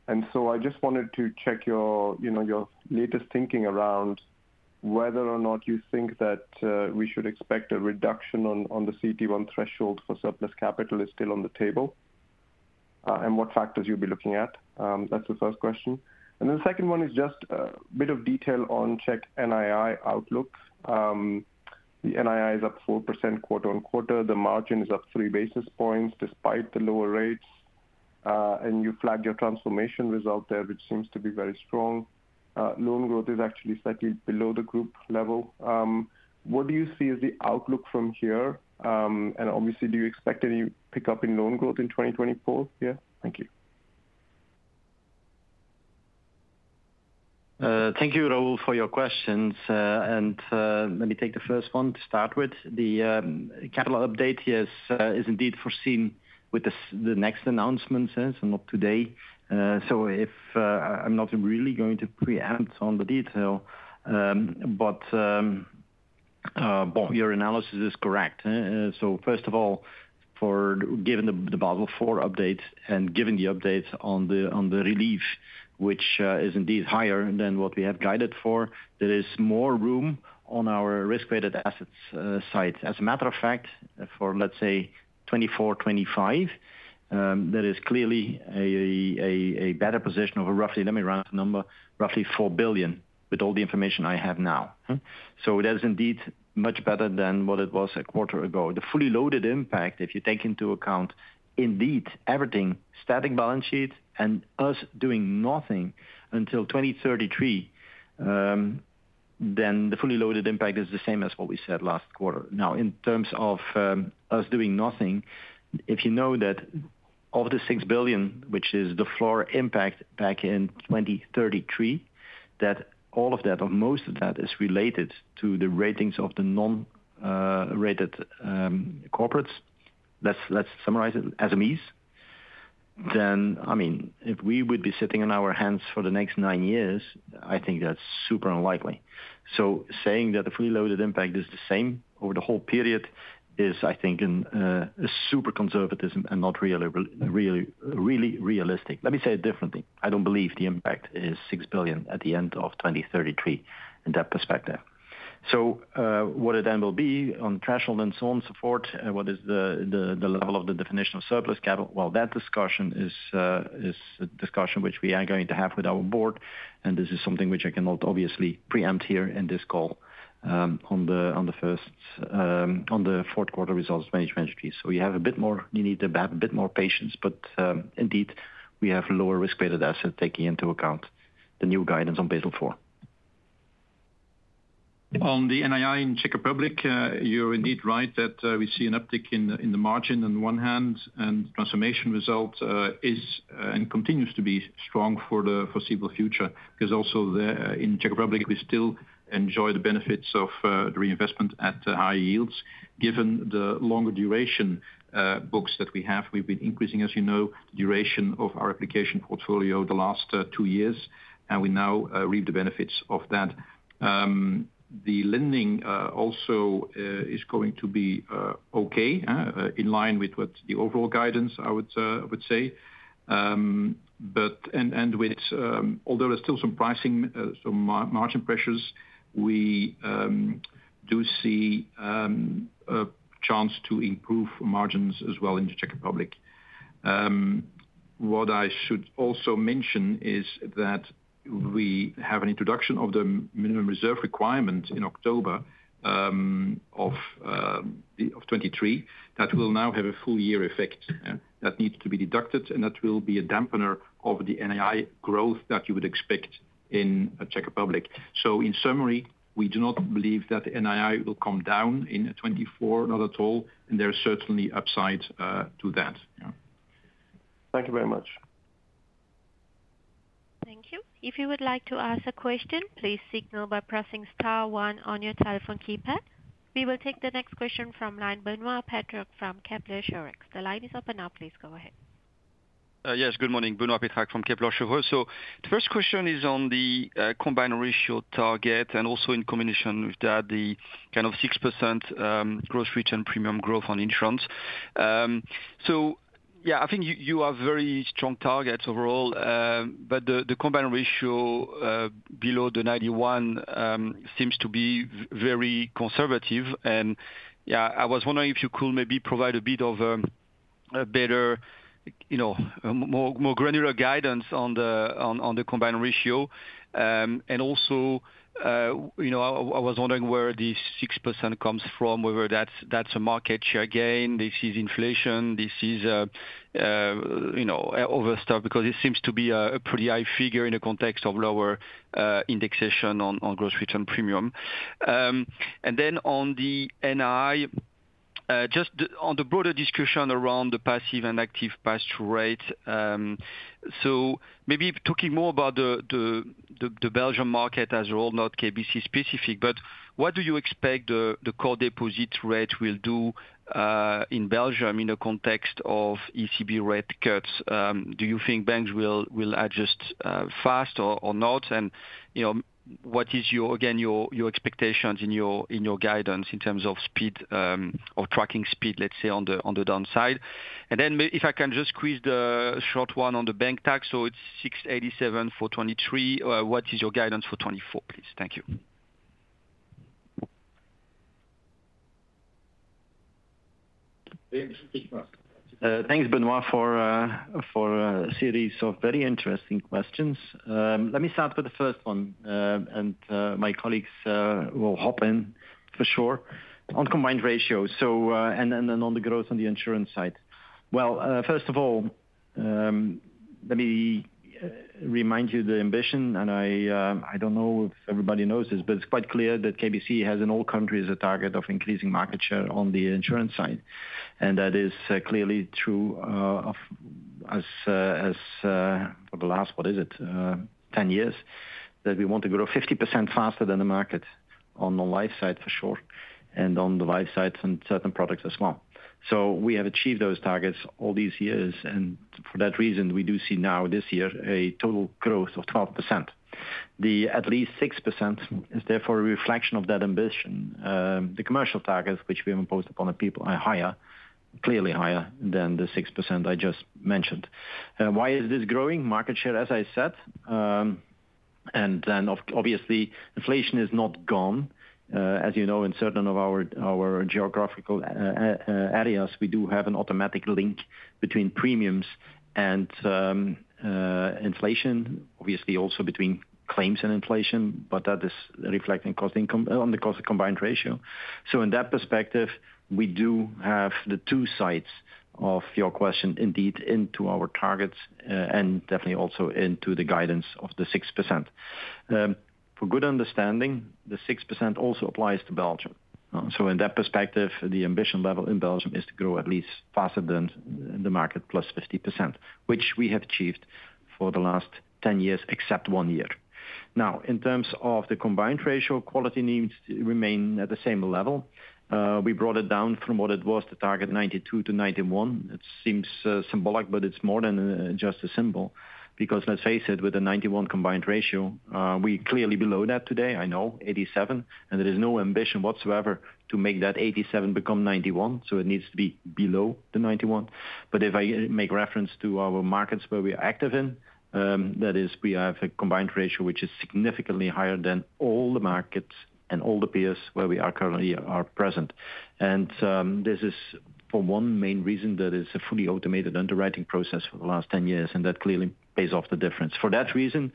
And so I just wanted to check your, you know, your latest thinking around whether or not you think that we should expect a reduction on the CET1 threshold for surplus capital is still on the table? And what factors you'll be looking at? That's the first question. And then the second one is just a bit of detail on Czech NII outlook. The NII is up 4% quarter-on-quarter. The margin is up three basis points despite the lower rates, and you flagged your transformation result there, which seems to be very strong. Loan growth is actually slightly below the group level. What do you see as the outlook from here? And obviously, do you expect any pickup in loan growth in 2024? Yeah. Thank you. Thank you, Raul, for your questions. Let me take the first one to start with. The capital update, yes, is indeed foreseen with the next announcement, so not today. So if I'm not really going to preempt on the detail, but your analysis is correct. So first of all, given the Basel IV update and given the updates on the relief, which is indeed higher than what we have guided for, there is more room on our risk-weighted assets side. As a matter of fact, for, let's say, 2024, 2025, there is clearly a better position of roughly 4 billion with all the information I have now. So that is indeed much better than what it was a quarter ago. The fully loaded impact, if you take into account, indeed, everything, static balance sheet and us doing nothing until 2033, then the fully loaded impact is the same as what we said last quarter. Now, in terms of, us doing nothing, if you know that of the 6 billion, which is the floor impact back in 2033, that all of that or most of that is related to the ratings of the non-rated corporates. Let's, let's summarize it as a means, then, I mean, if we would be sitting on our hands for the next nine years, I think that's super unlikely. So saying that the fully loaded impact is the same over the whole period is, I think, a super conservatism and not really, really, really realistic. Let me say it differently. I don't believe the impact is 6 billion at the end of 2033 in that perspective. So, what it then will be on threshold and so on, support, what is the level of the definition of surplus capital? Well, that discussion is a discussion which we are going to have with our board, and this is something which I cannot obviously preempt here in this call, on the first, on the 4Q results management piece. So we have a bit more... you need a bit more patience, but, indeed, we have lower risk-weighted assets taking into account the new guidance on Basel IV. On the NII in the Czech Republic, you're indeed right that we see an uptick in the margin on one hand, and transformation result is and continues to be strong for the foreseeable future. Because also there, in the Czech Republic, we still enjoy the benefits of the reinvestment at high yields. Given the longer duration books that we have, we've been increasing, as you know, duration of our investment portfolio the last two years, and we now reap the benefits of that. The lending also is going to be okay in line with what the overall guidance. I would say. But although there's still some pricing, some margin pressures, we do see a chance to improve margins as well in the Czech Republic. What I should also mention is that we have an introduction of the Minimum Reserve Requirement in October 2023, that will now have a full year effect, that needs to be deducted, and that will be a dampener of the NII growth that you would expect in the Czech Republic. So in summary, we do not believe that NII will come down in 2024, not at all, and there are certainly upsides to that. Thank you very much. Thank you. If you would like to ask a question, please signal by pressing star one on your telephone keypad. We will take the next question from line, Benoît Pétrarque from Kepler Cheuvreux. The line is open now, please go ahead. Yes, good morning, Benoît Pétrarque from Kepler Cheuvreux. So the first question is on the combined ratio target and also in combination with that, the kind of 6% gross return premium growth on insurance. So yeah, I think you, you have very strong targets overall, but the, the combined ratio below 91 seems to be very conservative. And yeah, I was wondering if you could maybe provide a bit of a better, you know, more, more granular guidance on the, on, on the combined ratio. And also, you know, I was wondering where this 6% comes from, whether that's a market share gain, this is inflation, this is you know, other stuff, because it seems to be a pretty high figure in the context of lower indexation on gross return premium. And then on the NII, just on the broader discussion around the passive and active pass-through rate, so maybe talking more about the Belgium market as well, not KBC specific, but what do you expect the core deposit rate will do in Belgium in the context of ECB rate cuts? Do you think banks will adjust fast or not? You know, what is your, again, your expectations in your guidance in terms of speed, or tracking speed, let's say, on the downside? And then maybe if I can just squeeze the short one on the bank tax, so it's 687 for 2023. What is your guidance for 2024, please? Thank you.... Thanks, Benoît, for a series of very interesting questions. Let me start with the first one, and my colleagues will hop in for sure. On combined ratio, so, and then, and on the growth on the insurance side. Well, first of all, let me remind you the ambition, and I, I don't know if everybody knows this, but it's quite clear that KBC has in all countries a target of increasing market share on the insurance side. And that is clearly true for the last, what is it? 10 years, that we want to grow 50% faster than the market on the life side, for sure, and on the life side and certain products as well. So we have achieved those targets all these years, and for that reason, we do see now this year, a total growth of 12%. The at least 6% is therefore a reflection of that ambition. The commercial targets, which we have imposed upon the people, are higher, clearly higher than the 6% I just mentioned. Why is this growing? Market share, as I said, and then obviously, inflation is not gone. As you know, in certain of our geographical areas, we do have an automatic link between premiums and inflation, obviously, also between claims and inflation, but that is reflecting cost income, on the cost of combined ratio. So in that perspective, we do have the two sides of your question, indeed, into our targets, and definitely also into the guidance of the 6%. For good understanding, the 6% also applies to Belgium. So in that perspective, the ambition level in Belgium is to grow at least faster than the market, plus 50%, which we have achieved for the last 10 years, except one year. Now, in terms of the Combined Ratio, quality needs remain at the same level. We brought it down from what it was, the target 92 to 91. It seems symbolic, but it's more than just a symbol, because let's face it, with a 91 Combined Ratio, we clearly below that today, I know, 87, and there is no ambition whatsoever to make that 87 become 91, so it needs to be below the 91. But if I make reference to our markets where we are active in, that is, we have a combined ratio, which is significantly higher than all the markets and all the peers where we are currently are present. And, this is for one main reason, that is a fully automated underwriting process for the last 10 years, and that clearly pays off the difference. For that reason,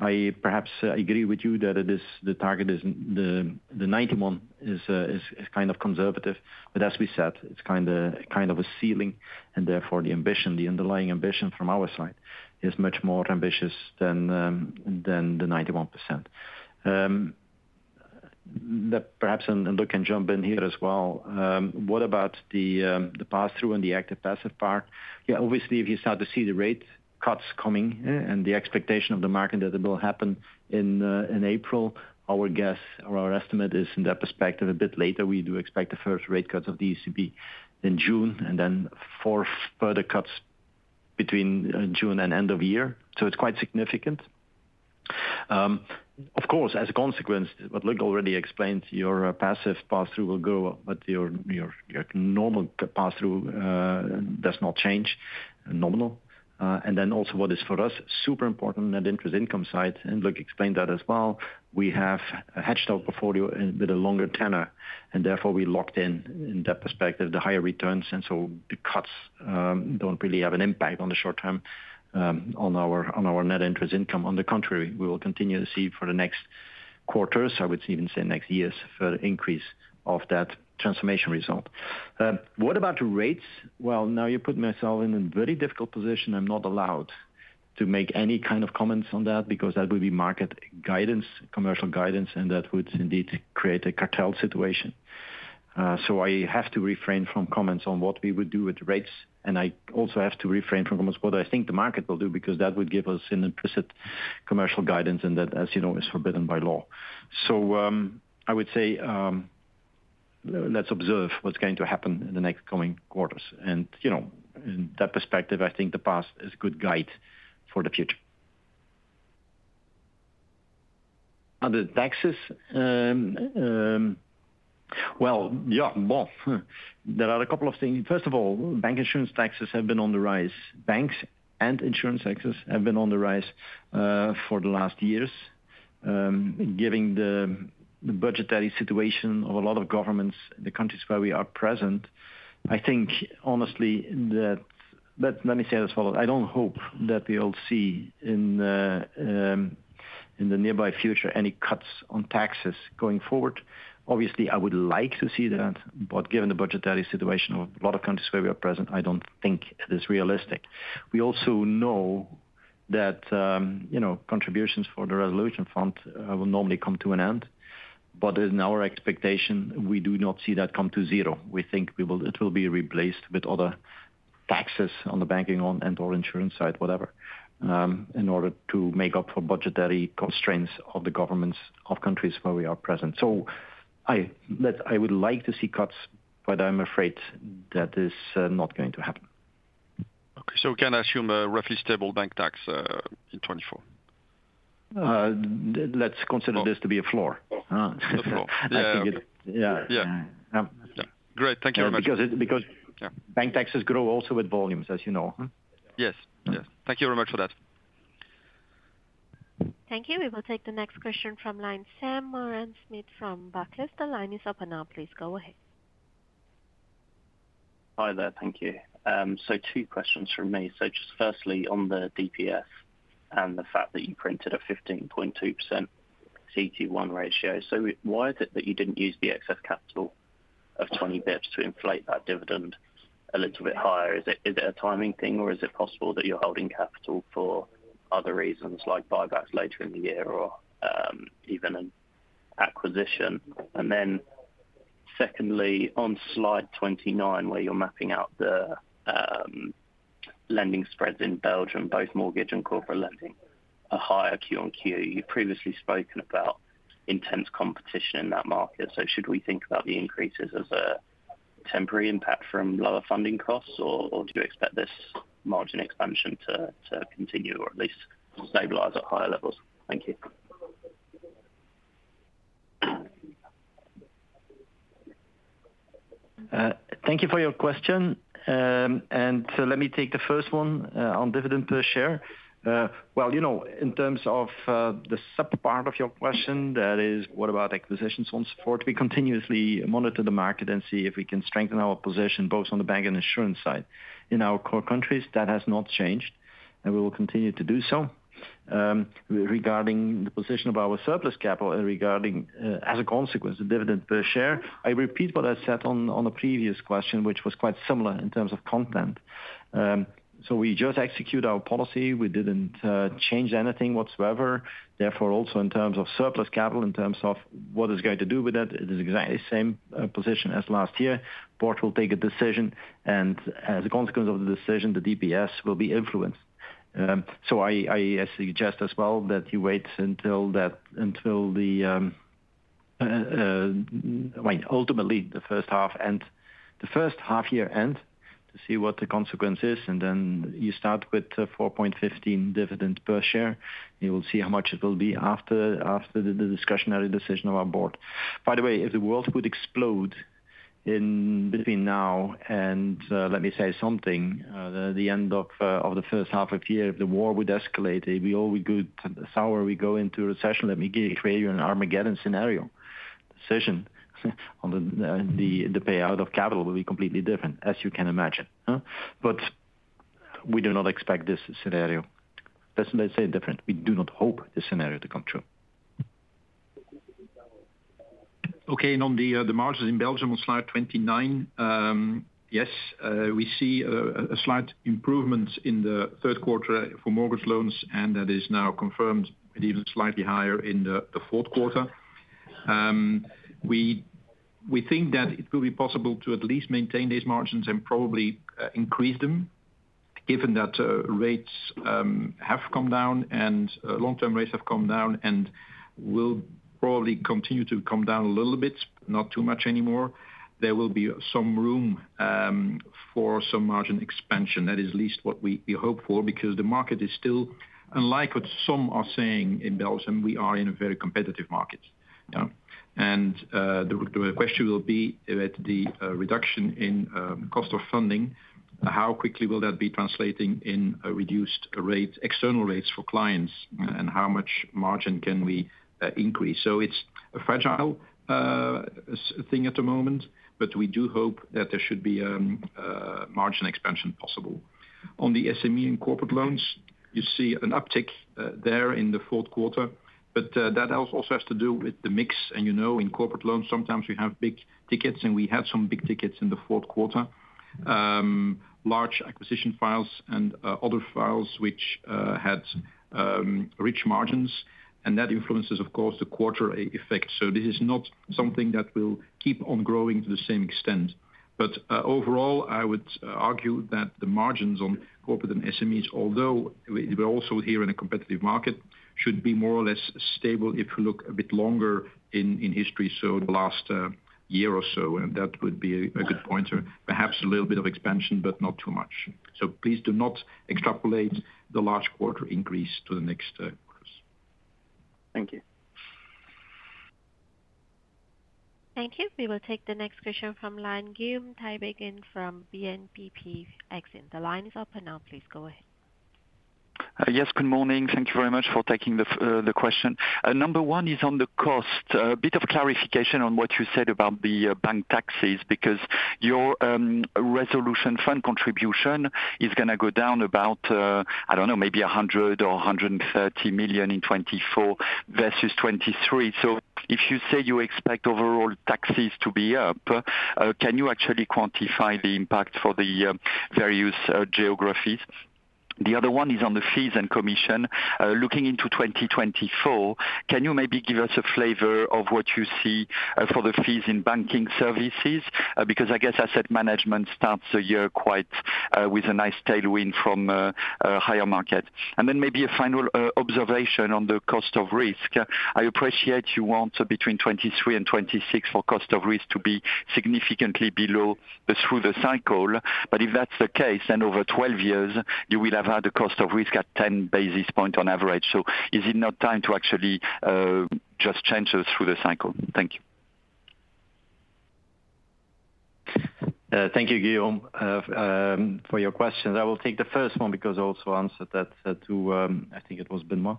I perhaps, I agree with you that it is... the target is the, the 91 is, is kind of conservative, but as we said, it's kinda, kind of a ceiling, and therefore, the ambition, the underlying ambition from our side is much more ambitious than, than the 91%. Perhaps, and Luc can jump in here as well. What about the, the pass-through and the active, passive part? Yeah, obviously, if you start to see the rate cuts coming, and the expectation of the market that it will happen in, in April, our guess or our estimate is in that perspective, a bit later. We do expect the first rate cuts of the ECB in June, and then four further cuts between, June and end of year. So it's quite significant. Of course, as a consequence, what Luc already explained, your passive pass-through will go, but your, your, your normal pass-through, does not change nominal. And then also what is for us, super important, net interest income side, and Luc explained that as well, we have a hedged out portfolio with a longer tenor, and therefore, we locked in, in that perspective, the higher returns, and so the cuts, don't really have an impact on the short term, on our, on our net interest income. On the contrary, we will continue to see for the next quarters, I would even say next years, further increase of that transformation result. What about rates? Well, now you put myself in a very difficult position. I'm not allowed to make any kind of comments on that because that will be market guidance, commercial guidance, and that would indeed create a cartel situation. So I have to refrain from comments on what we would do with rates, and I also have to refrain from comments what I think the market will do, because that would give us an implicit commercial guidance, and that, as you know, is forbidden by law. So, I would say, let's observe what's going to happen in the next coming quarters. And, you know, in that perspective, I think the past is a good guide for the future. On the taxes, well, yeah, well, there are a couple of things. First of all, bank insurance taxes have been on the rise. Banks and insurance taxes have been on the rise, for the last years. Giving the budgetary situation of a lot of governments, the countries where we are present, I think honestly, but let me say it as well, I don't hope that we'll see in the nearby future, any cuts on taxes going forward. Obviously, I would like to see that, but given the budgetary situation of a lot of countries where we are present, I don't think it is realistic. We also know that, you know, contributions for the resolution fund will normally come to an end, but in our expectation, we do not see that come to zero. We think it will be replaced with other taxes on the banking and or insurance side, whatever, in order to make up for budgetary constraints of the governments of countries where we are present. So I would like to see cuts, but I'm afraid that is not going to happen. Okay, so we can assume a roughly stable bank tax in 2024? Let's consider this to be a floor. Oh. Great. Thank you very much. Because it, because Yeah bank taxes grow also with volumes, as you know? Yes, yes. Thank you very much for that. Thank you. We will take the next question from line, Sam Moran-Smyth from Barclays. The line is open now, please go ahead. Hi there. Thank you. So two questions from me. Just firstly, on the DPS and the fact that you printed a 15.2% CTE1 ratio. So why is it that you didn't use the excess capital of 20 basis points to inflate that dividend a little bit higher? Is it a timing thing, or is it possible that you're holding capital for other reasons, like buybacks later in the year or even an acquisition? And then secondly, on slide 29, where you're mapping out the lending spreads in Belgium, both mortgage and corporate lending, are higher Q-on-Q. You've previously spoken about intense competition in that market, so should we think about the increases as a temporary impact from lower funding costs, or do you expect this margin expansion to continue, or at least stabilize at higher levels? Thank you. Thank you for your question. And let me take the first one, on dividend per share. Well, you know, in terms of, the sub part of your question, that is, what about acquisitions on support? We continuously monitor the market and see if we can strengthen our position, both on the bank and insurance side. In our core countries, that has not changed, and we will continue to do so. Regarding the position of our surplus capital and regarding, as a consequence, the dividend per share, I repeat what I said on, on a previous question, which was quite similar in terms of content. So we just execute our policy. We didn't, change anything whatsoever. Therefore, also in terms of surplus capital, in terms of what it's going to do with that, it is exactly the same position as last year. Board will take a decision, and as a consequence of the decision, the DPS will be influenced. So I, I suggest as well that you wait until that, until the first half end, the first half year end, to see what the consequence is, and then you start with 4.15 dividend per share. You will see how much it will be after the discretionary decision of our board. By the way, if the world would explode in between now and, let me say something, the end of the first half of the year, if the war would escalate, if we all would go sour, we go into recession, let me give you an Armageddon scenario. Decision on the payout of capital will be completely different, as you can imagine, huh. But we do not expect this scenario. Let's say it different. We do not hope this scenario to come true. Okay, and on the, the margins in Belgium on slide 29, yes, we see a, a slight improvement in the third quarter for mortgage loans, and that is now confirmed, and even slightly higher in the, the 4Q. We, we think that it will be possible to at least maintain these margins and probably, increase them, given that, rates, have come down and, long-term rates have come down and will probably continue to come down a little bit, not too much anymore. There will be some room, for some margin expansion. That is at least what we, we hope for, because the market is still, unlike what some are saying, in Belgium, we are in a very competitive market. Yeah. The question will be that the reduction in cost of funding, how quickly will that be translating in a reduced rate, external rates for clients? And how much margin can we increase? So it's a fragile thing at the moment, but we do hope that there should be margin expansion possible. On the SME and corporate loans, you see an uptick there in the 4Q, but that also has to do with the mix. And, you know, in corporate loans, sometimes we have big tickets, and we have some big tickets in the 4Q. Large acquisition files and other files which had rich margins, and that influences, of course, the quarter effect. So this is not something that will keep on growing to the same extent. But overall, I would argue that the margins on corporate and SMEs, although we're also here in a competitive market, should be more or less stable if you look a bit longer in, in history, so the last year or so, and that would be a good pointer. Perhaps a little bit of expansion, but not too much. So please do not extrapolate the large quarter increase to the next quarters. Thank you. Thank you. We will take the next question from the line, Guillaume Tiberghien from BNP Paribas Exane. The line is open now, please go ahead. Yes, good morning. Thank you very much for taking the question. Number one is on the cost. A bit of clarification on what you said about the bank taxes, because your resolution fund contribution is gonna go down about, I don't know, maybe 100 million or 130 million in 2024 versus 2023. So if you say you expect overall taxes to be up, can you actually quantify the impact for the various geographies? The other one is on the fees and commission. Looking into 2024, can you maybe give us a flavor of what you see for the fees in banking services? Because I guess asset management starts the year quite with a nice tailwind from a higher market. And then maybe a final observation on the cost of risk. I appreciate you want between 23 and 26 for cost of risk to be significantly below through the cycle, but if that's the case, then over 12 years you will have had a cost of risk at 10 basis point on average. So is it not time to actually just change it through the cycle? Thank you.... Thank you, Guillaume, for your questions. I will take the first one because I also answered that to, I think it was Benoît.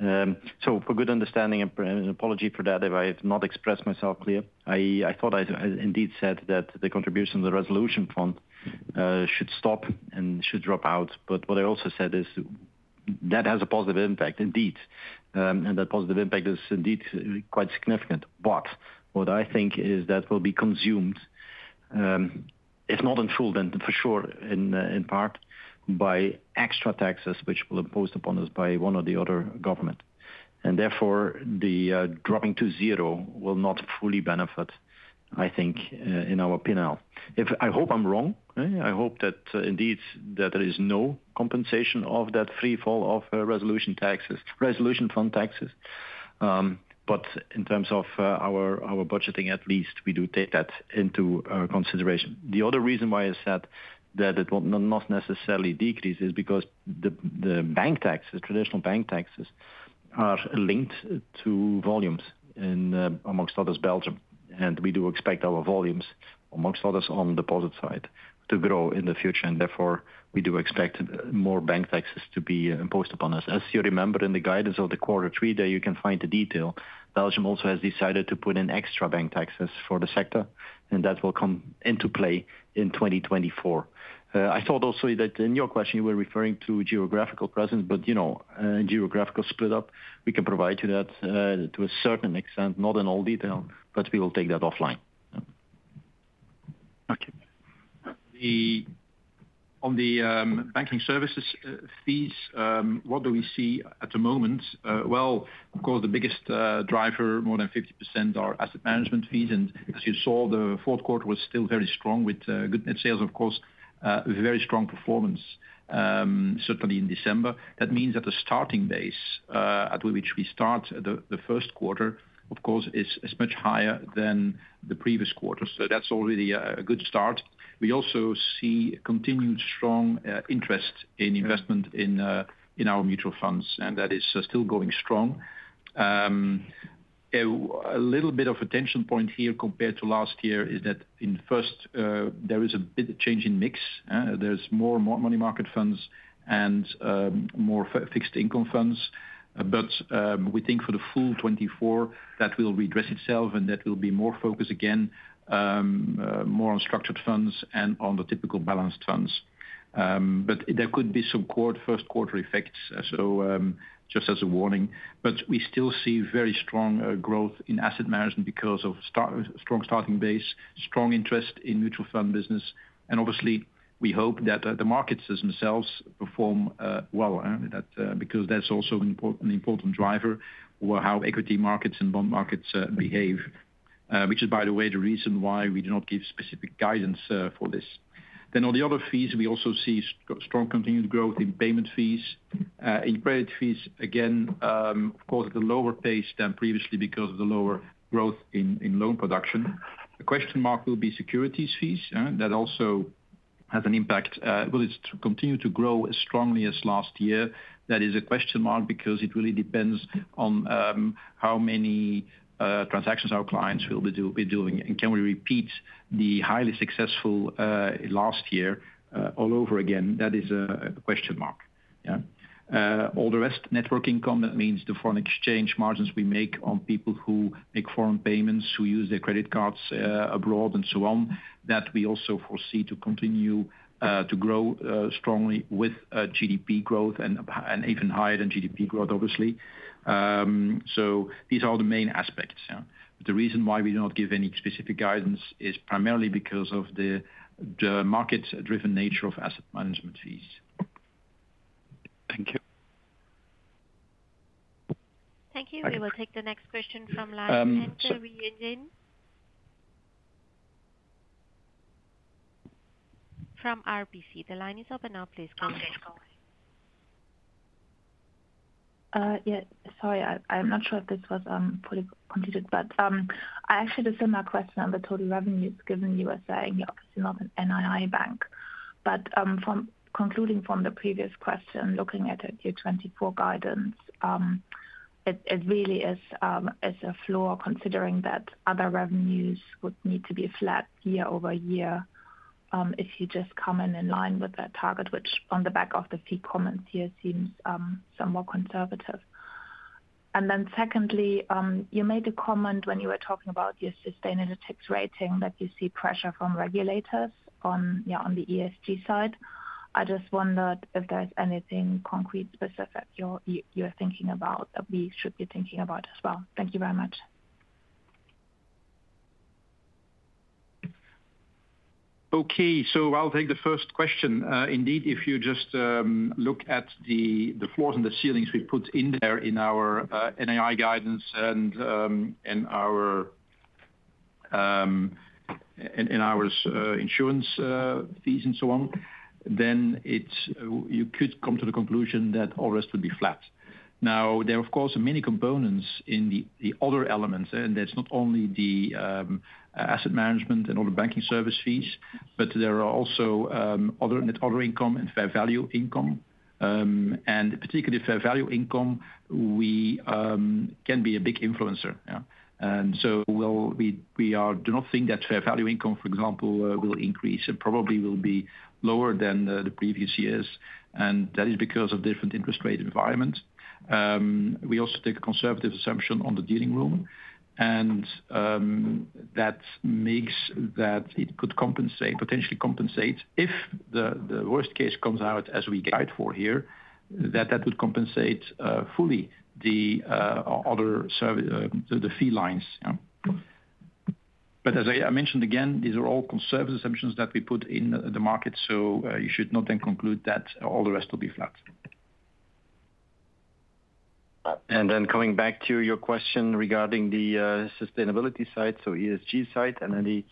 So for good understanding and apology for that, if I have not expressed myself clear, I thought I had indeed said that the contribution of the resolution fund should stop and should drop out. But what I also said is that has a positive impact, indeed. That positive impact is indeed quite significant. But what I think is that will be consumed, if not in full, then for sure in part, by extra taxes, which will imposed upon us by one or the other government. Therefore, the dropping to zero will not fully benefit, I think, in our P&L. I hope I'm wrong, eh? I hope that indeed, that there is no compensation of that free fall of, resolution taxes, resolution fund taxes. But in terms of, our, our budgeting, at least, we do take that into, consideration. The other reason why I said that it will not necessarily decrease is because the, the bank taxes, traditional bank taxes, are linked to volumes in, amongst others, Belgium, and we do expect our volumes, amongst others, on deposit side, to grow in the future, and therefore, we do expect more bank taxes to be imposed upon us. As you remember, in the guidance of the quarter three, there you can find the detail. Belgium also has decided to put in extra bank taxes for the sector, and that will come into play in 2024. I thought also that in your question, you were referring to geographical presence, but, you know, geographical split up, we can provide you that, to a certain extent, not in all detail, but we will take that offline. Okay. On the banking services fees, what do we see at the moment? Well, of course, the biggest driver, more than 50% are asset management fees, and as you saw, the 4Q was still very strong with good net sales, of course, very strong performance, certainly in December. That means that the starting base, at which we start the first quarter, of course, is much higher than the previous quarter. So that's already a good start. We also see continued strong interest in investment in our mutual funds, and that is still going strong. A little bit of attention point here compared to last year is that in first there is a bit of change in mix. There's more money market funds and more fixed income funds. But we think for the full 2024, that will redress itself, and that will be more focused again more on structured funds and on the typical balanced funds. But there could be some first quarter effects, so just as a warning. But we still see very strong growth in asset management because of strong starting base, strong interest in mutual fund business, and obviously, we hope that the markets themselves perform well, that because that's also an important, an important driver over how equity markets and bond markets behave, which is, by the way, the reason why we do not give specific guidance for this. Then on the other fees, we also see strong continued growth in payment fees. In credit fees, again, of course, at a lower pace than previously because of the lower growth in loan production. The question mark will be securities fees that also has an impact. Will it continue to grow as strongly as last year? That is a question mark, because it really depends on how many transactions our clients will be doing, and can we repeat the highly successful last year all over again? That is a question mark. Yeah. All the rest, net working income, that means the foreign exchange margins we make on people who make foreign payments, who use their credit cards abroad and so on, that we also foresee to continue to grow strongly with GDP growth and even higher than GDP growth, obviously. So these are the main aspects, yeah. The reason why we do not give any specific guidance is primarily because of the market-driven nature of asset management fees. Thank you. Thank you. We will take the next question from line 10. From RBC. The line is open now. Please go ahead. Yeah, sorry, I, I'm not sure if this was fully considered, but, I actually just had a similar question on the total revenues, given you were saying you're obviously not an NII bank. But, from concluding from the previous question, looking at your 2024 guidance, it really is a flaw, considering that other revenues would need to be flat year-over-year, if you just come in in line with that target, which on the back of the fee comments here, seems some more conservative. And then secondly, you made a comment when you were talking about your Sustainalytics rating, that you see pressure from regulators on, yeah, on the ESG side. I just wondered if there's anything concrete specific you're thinking about, that we should be thinking about as well. Thank you very much. Okay, so I'll take the first question. Indeed, if you just look at the floors and the ceilings we put in there in our NII guidance and in our insurance fees and so on, then you could come to the conclusion that all rest would be flat. Now, there are, of course, many components in the other elements, and that's not only the asset management and all the banking service fees, but there are also other net other income and fair value income. And particularly, fair value income, we can be a big influencer, yeah.... And so we do not think that fair value income, for example, will increase. It probably will be lower than the previous years, and that is because of different interest rate environment. We also take a conservative assumption on the dealing room, and that makes it could compensate, potentially compensate, if the worst case comes out as we guide for here, that would compensate fully the other service the fee lines, yeah. But as I mentioned again, these are all conservative assumptions that we put in the market, so you should not then conclude that all the rest will be flat. And then coming back to your question regarding the sustainability side, so ESG side, and then the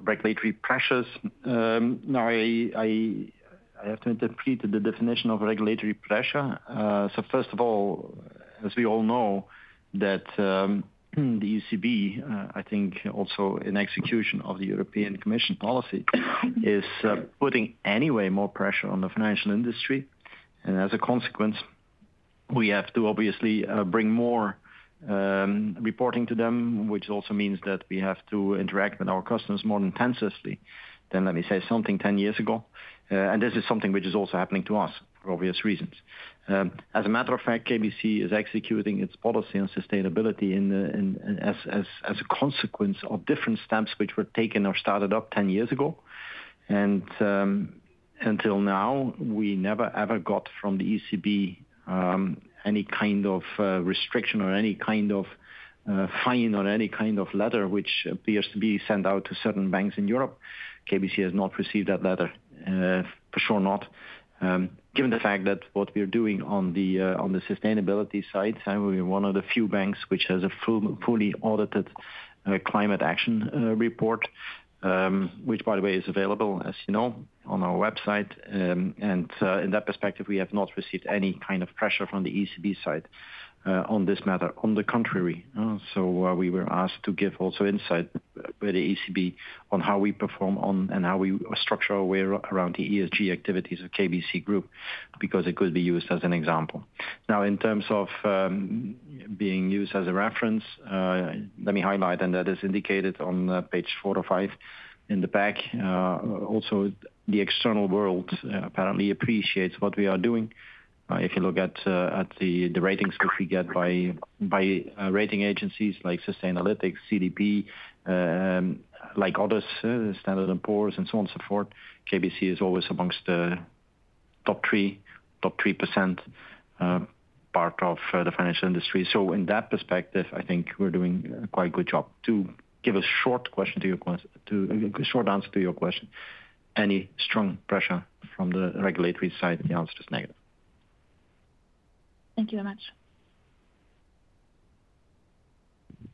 regulatory pressures. Now, I have to interpret the definition of regulatory pressure. So first of all, as we all know, that the ECB, I think also in execution of the European Commission policy, is putting anyway more pressure on the financial industry. And as a consequence, we have to obviously bring more reporting to them, which also means that we have to interact with our customers more intensively than, let me say, something ten years ago. And this is something which is also happening to us for obvious reasons. As a matter of fact, KBC is executing its policy on sustainability in as a consequence of different steps, which were taken or started up ten years ago. Until now, we never, ever got from the ECB any kind of restriction or any kind of fine or any kind of letter, which appears to be sent out to certain banks in Europe. KBC has not received that letter, for sure not. Given the fact that what we are doing on the on the sustainability side, and we're one of the few banks which has a full, fully audited climate action report, which, by the way, is available, as you know, on our website. In that perspective, we have not received any kind of pressure from the ECB side on this matter. On the contrary, so we were asked to give also insight with the ECB on how we perform on, and how we structure our way around the ESG activities of KBC Group, because it could be used as an example. Now, in terms of, being used as a reference, let me highlight, and that is indicated on page 4-5 in the back. Also, the external world, apparently appreciates what we are doing. If you look at, at the, the ratings, which we get by, by, rating agencies like Sustainalytics, CDP, like others, Standard and Poor's, and so on, so forth, KBC is always amongst the top three, top 3% part of the financial industry. So in that perspective, I think we're doing quite a good job. To a short answer to your question, any strong pressure from the regulatory side, the answer is negative. Thank you very much.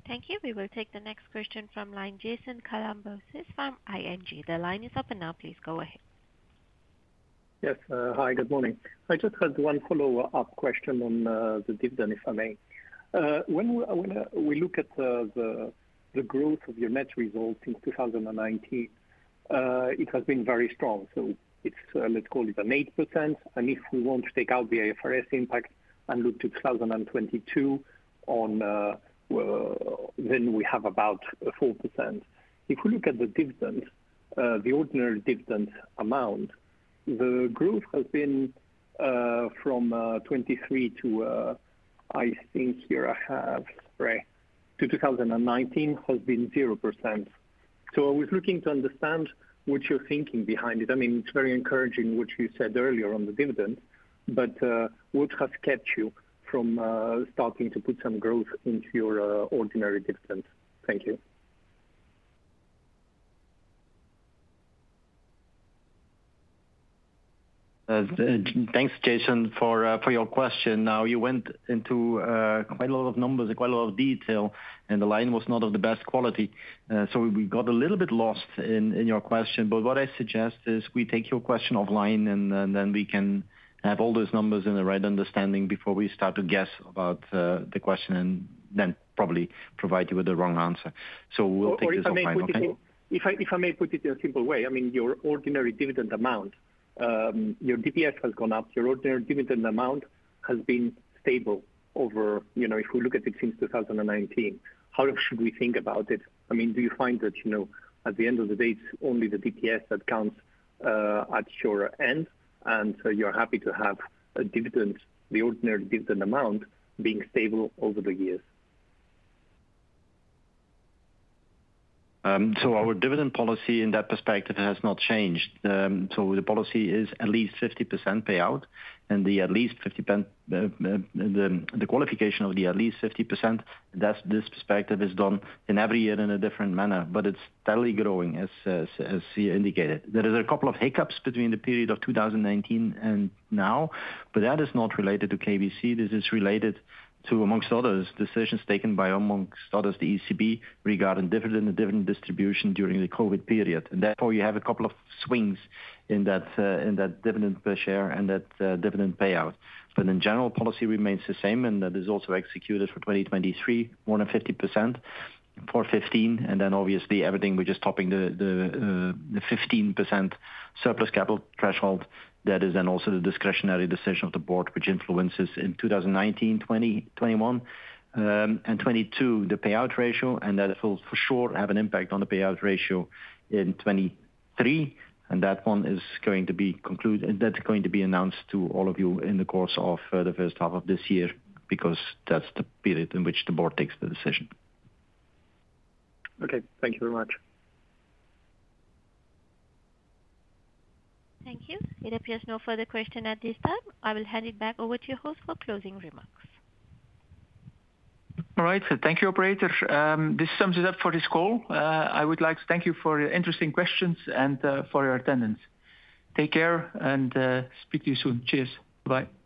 Thank you. We will take the next question from line, Jason Kalamboussis from ING. The line is open now. Please go ahead. Yes, hi, good morning. I just had one follow-up question on the dividend, if I may. When we look at the growth of your net results in 2019, it has been very strong. So it's, let's call it an 8%, and if we want to take out the IFRS impact and look to 2022 on, well, then we have about 4%. If we look at the dividend, the ordinary dividend amount, the growth has been from 2023 to, I think here I have, right, to 2019, has been 0%. So I was looking to understand what you're thinking behind it. I mean, it's very encouraging what you said earlier on the dividend, but what has kept you from starting to put some growth into your ordinary dividend? Thank you. Thanks, Jason, for your question. Now, you went into quite a lot of numbers and quite a lot of detail, and the line was not of the best quality. So we got a little bit lost in your question, but what I suggest is we take your question offline, and then we can have all those numbers in the right understanding before we start to guess about the question, and then probably provide you with the wrong answer. So we'll take this offline, okay? If I may put it in a simple way, I mean, your ordinary dividend amount, your DPS has gone up, your ordinary dividend amount has been stable over, you know, if we look at it since 2019. How should we think about it? I mean, do you find that, you know, at the end of the day, it's only the DPS that counts at your end, and so you're happy to have a dividend, the ordinary dividend amount being stable over the years? So our dividend policy in that perspective has not changed. So the policy is at least 50% payout, and the at least 50%, the qualification of the at least 50%, that's this perspective is done in every year in a different manner, but it's steadily growing, as you indicated. There is a couple of hiccups between the period of 2019 and now, but that is not related to KBC. This is related to, amongst others, decisions taken by, amongst others, the ECB, regarding dividend and dividend distribution during the COVID period. And therefore, you have a couple of swings in that dividend per share and that dividend payout. But in general, policy remains the same, and that is also executed for 2023, more than 50% for 15, and then obviously everything, we're just topping the 15% surplus capital threshold. That is then also the discretionary decision of the board, which influences in 2019, 2020, 2021, and 2022, the payout ratio, and that will for sure have an impact on the payout ratio in 2023. And that one is going to be concluded, and that's going to be announced to all of you in the course of the first half of this year, because that's the period in which the board takes the decision. Okay, thank you very much. Thank you. It appears no further question at this time. I will hand it back over to the host for closing remarks. All right, so thank you, operator. This sums it up for this call. I would like to thank you for your interesting questions and for your attendance. Take care and speak to you soon. Cheers. Bye-bye.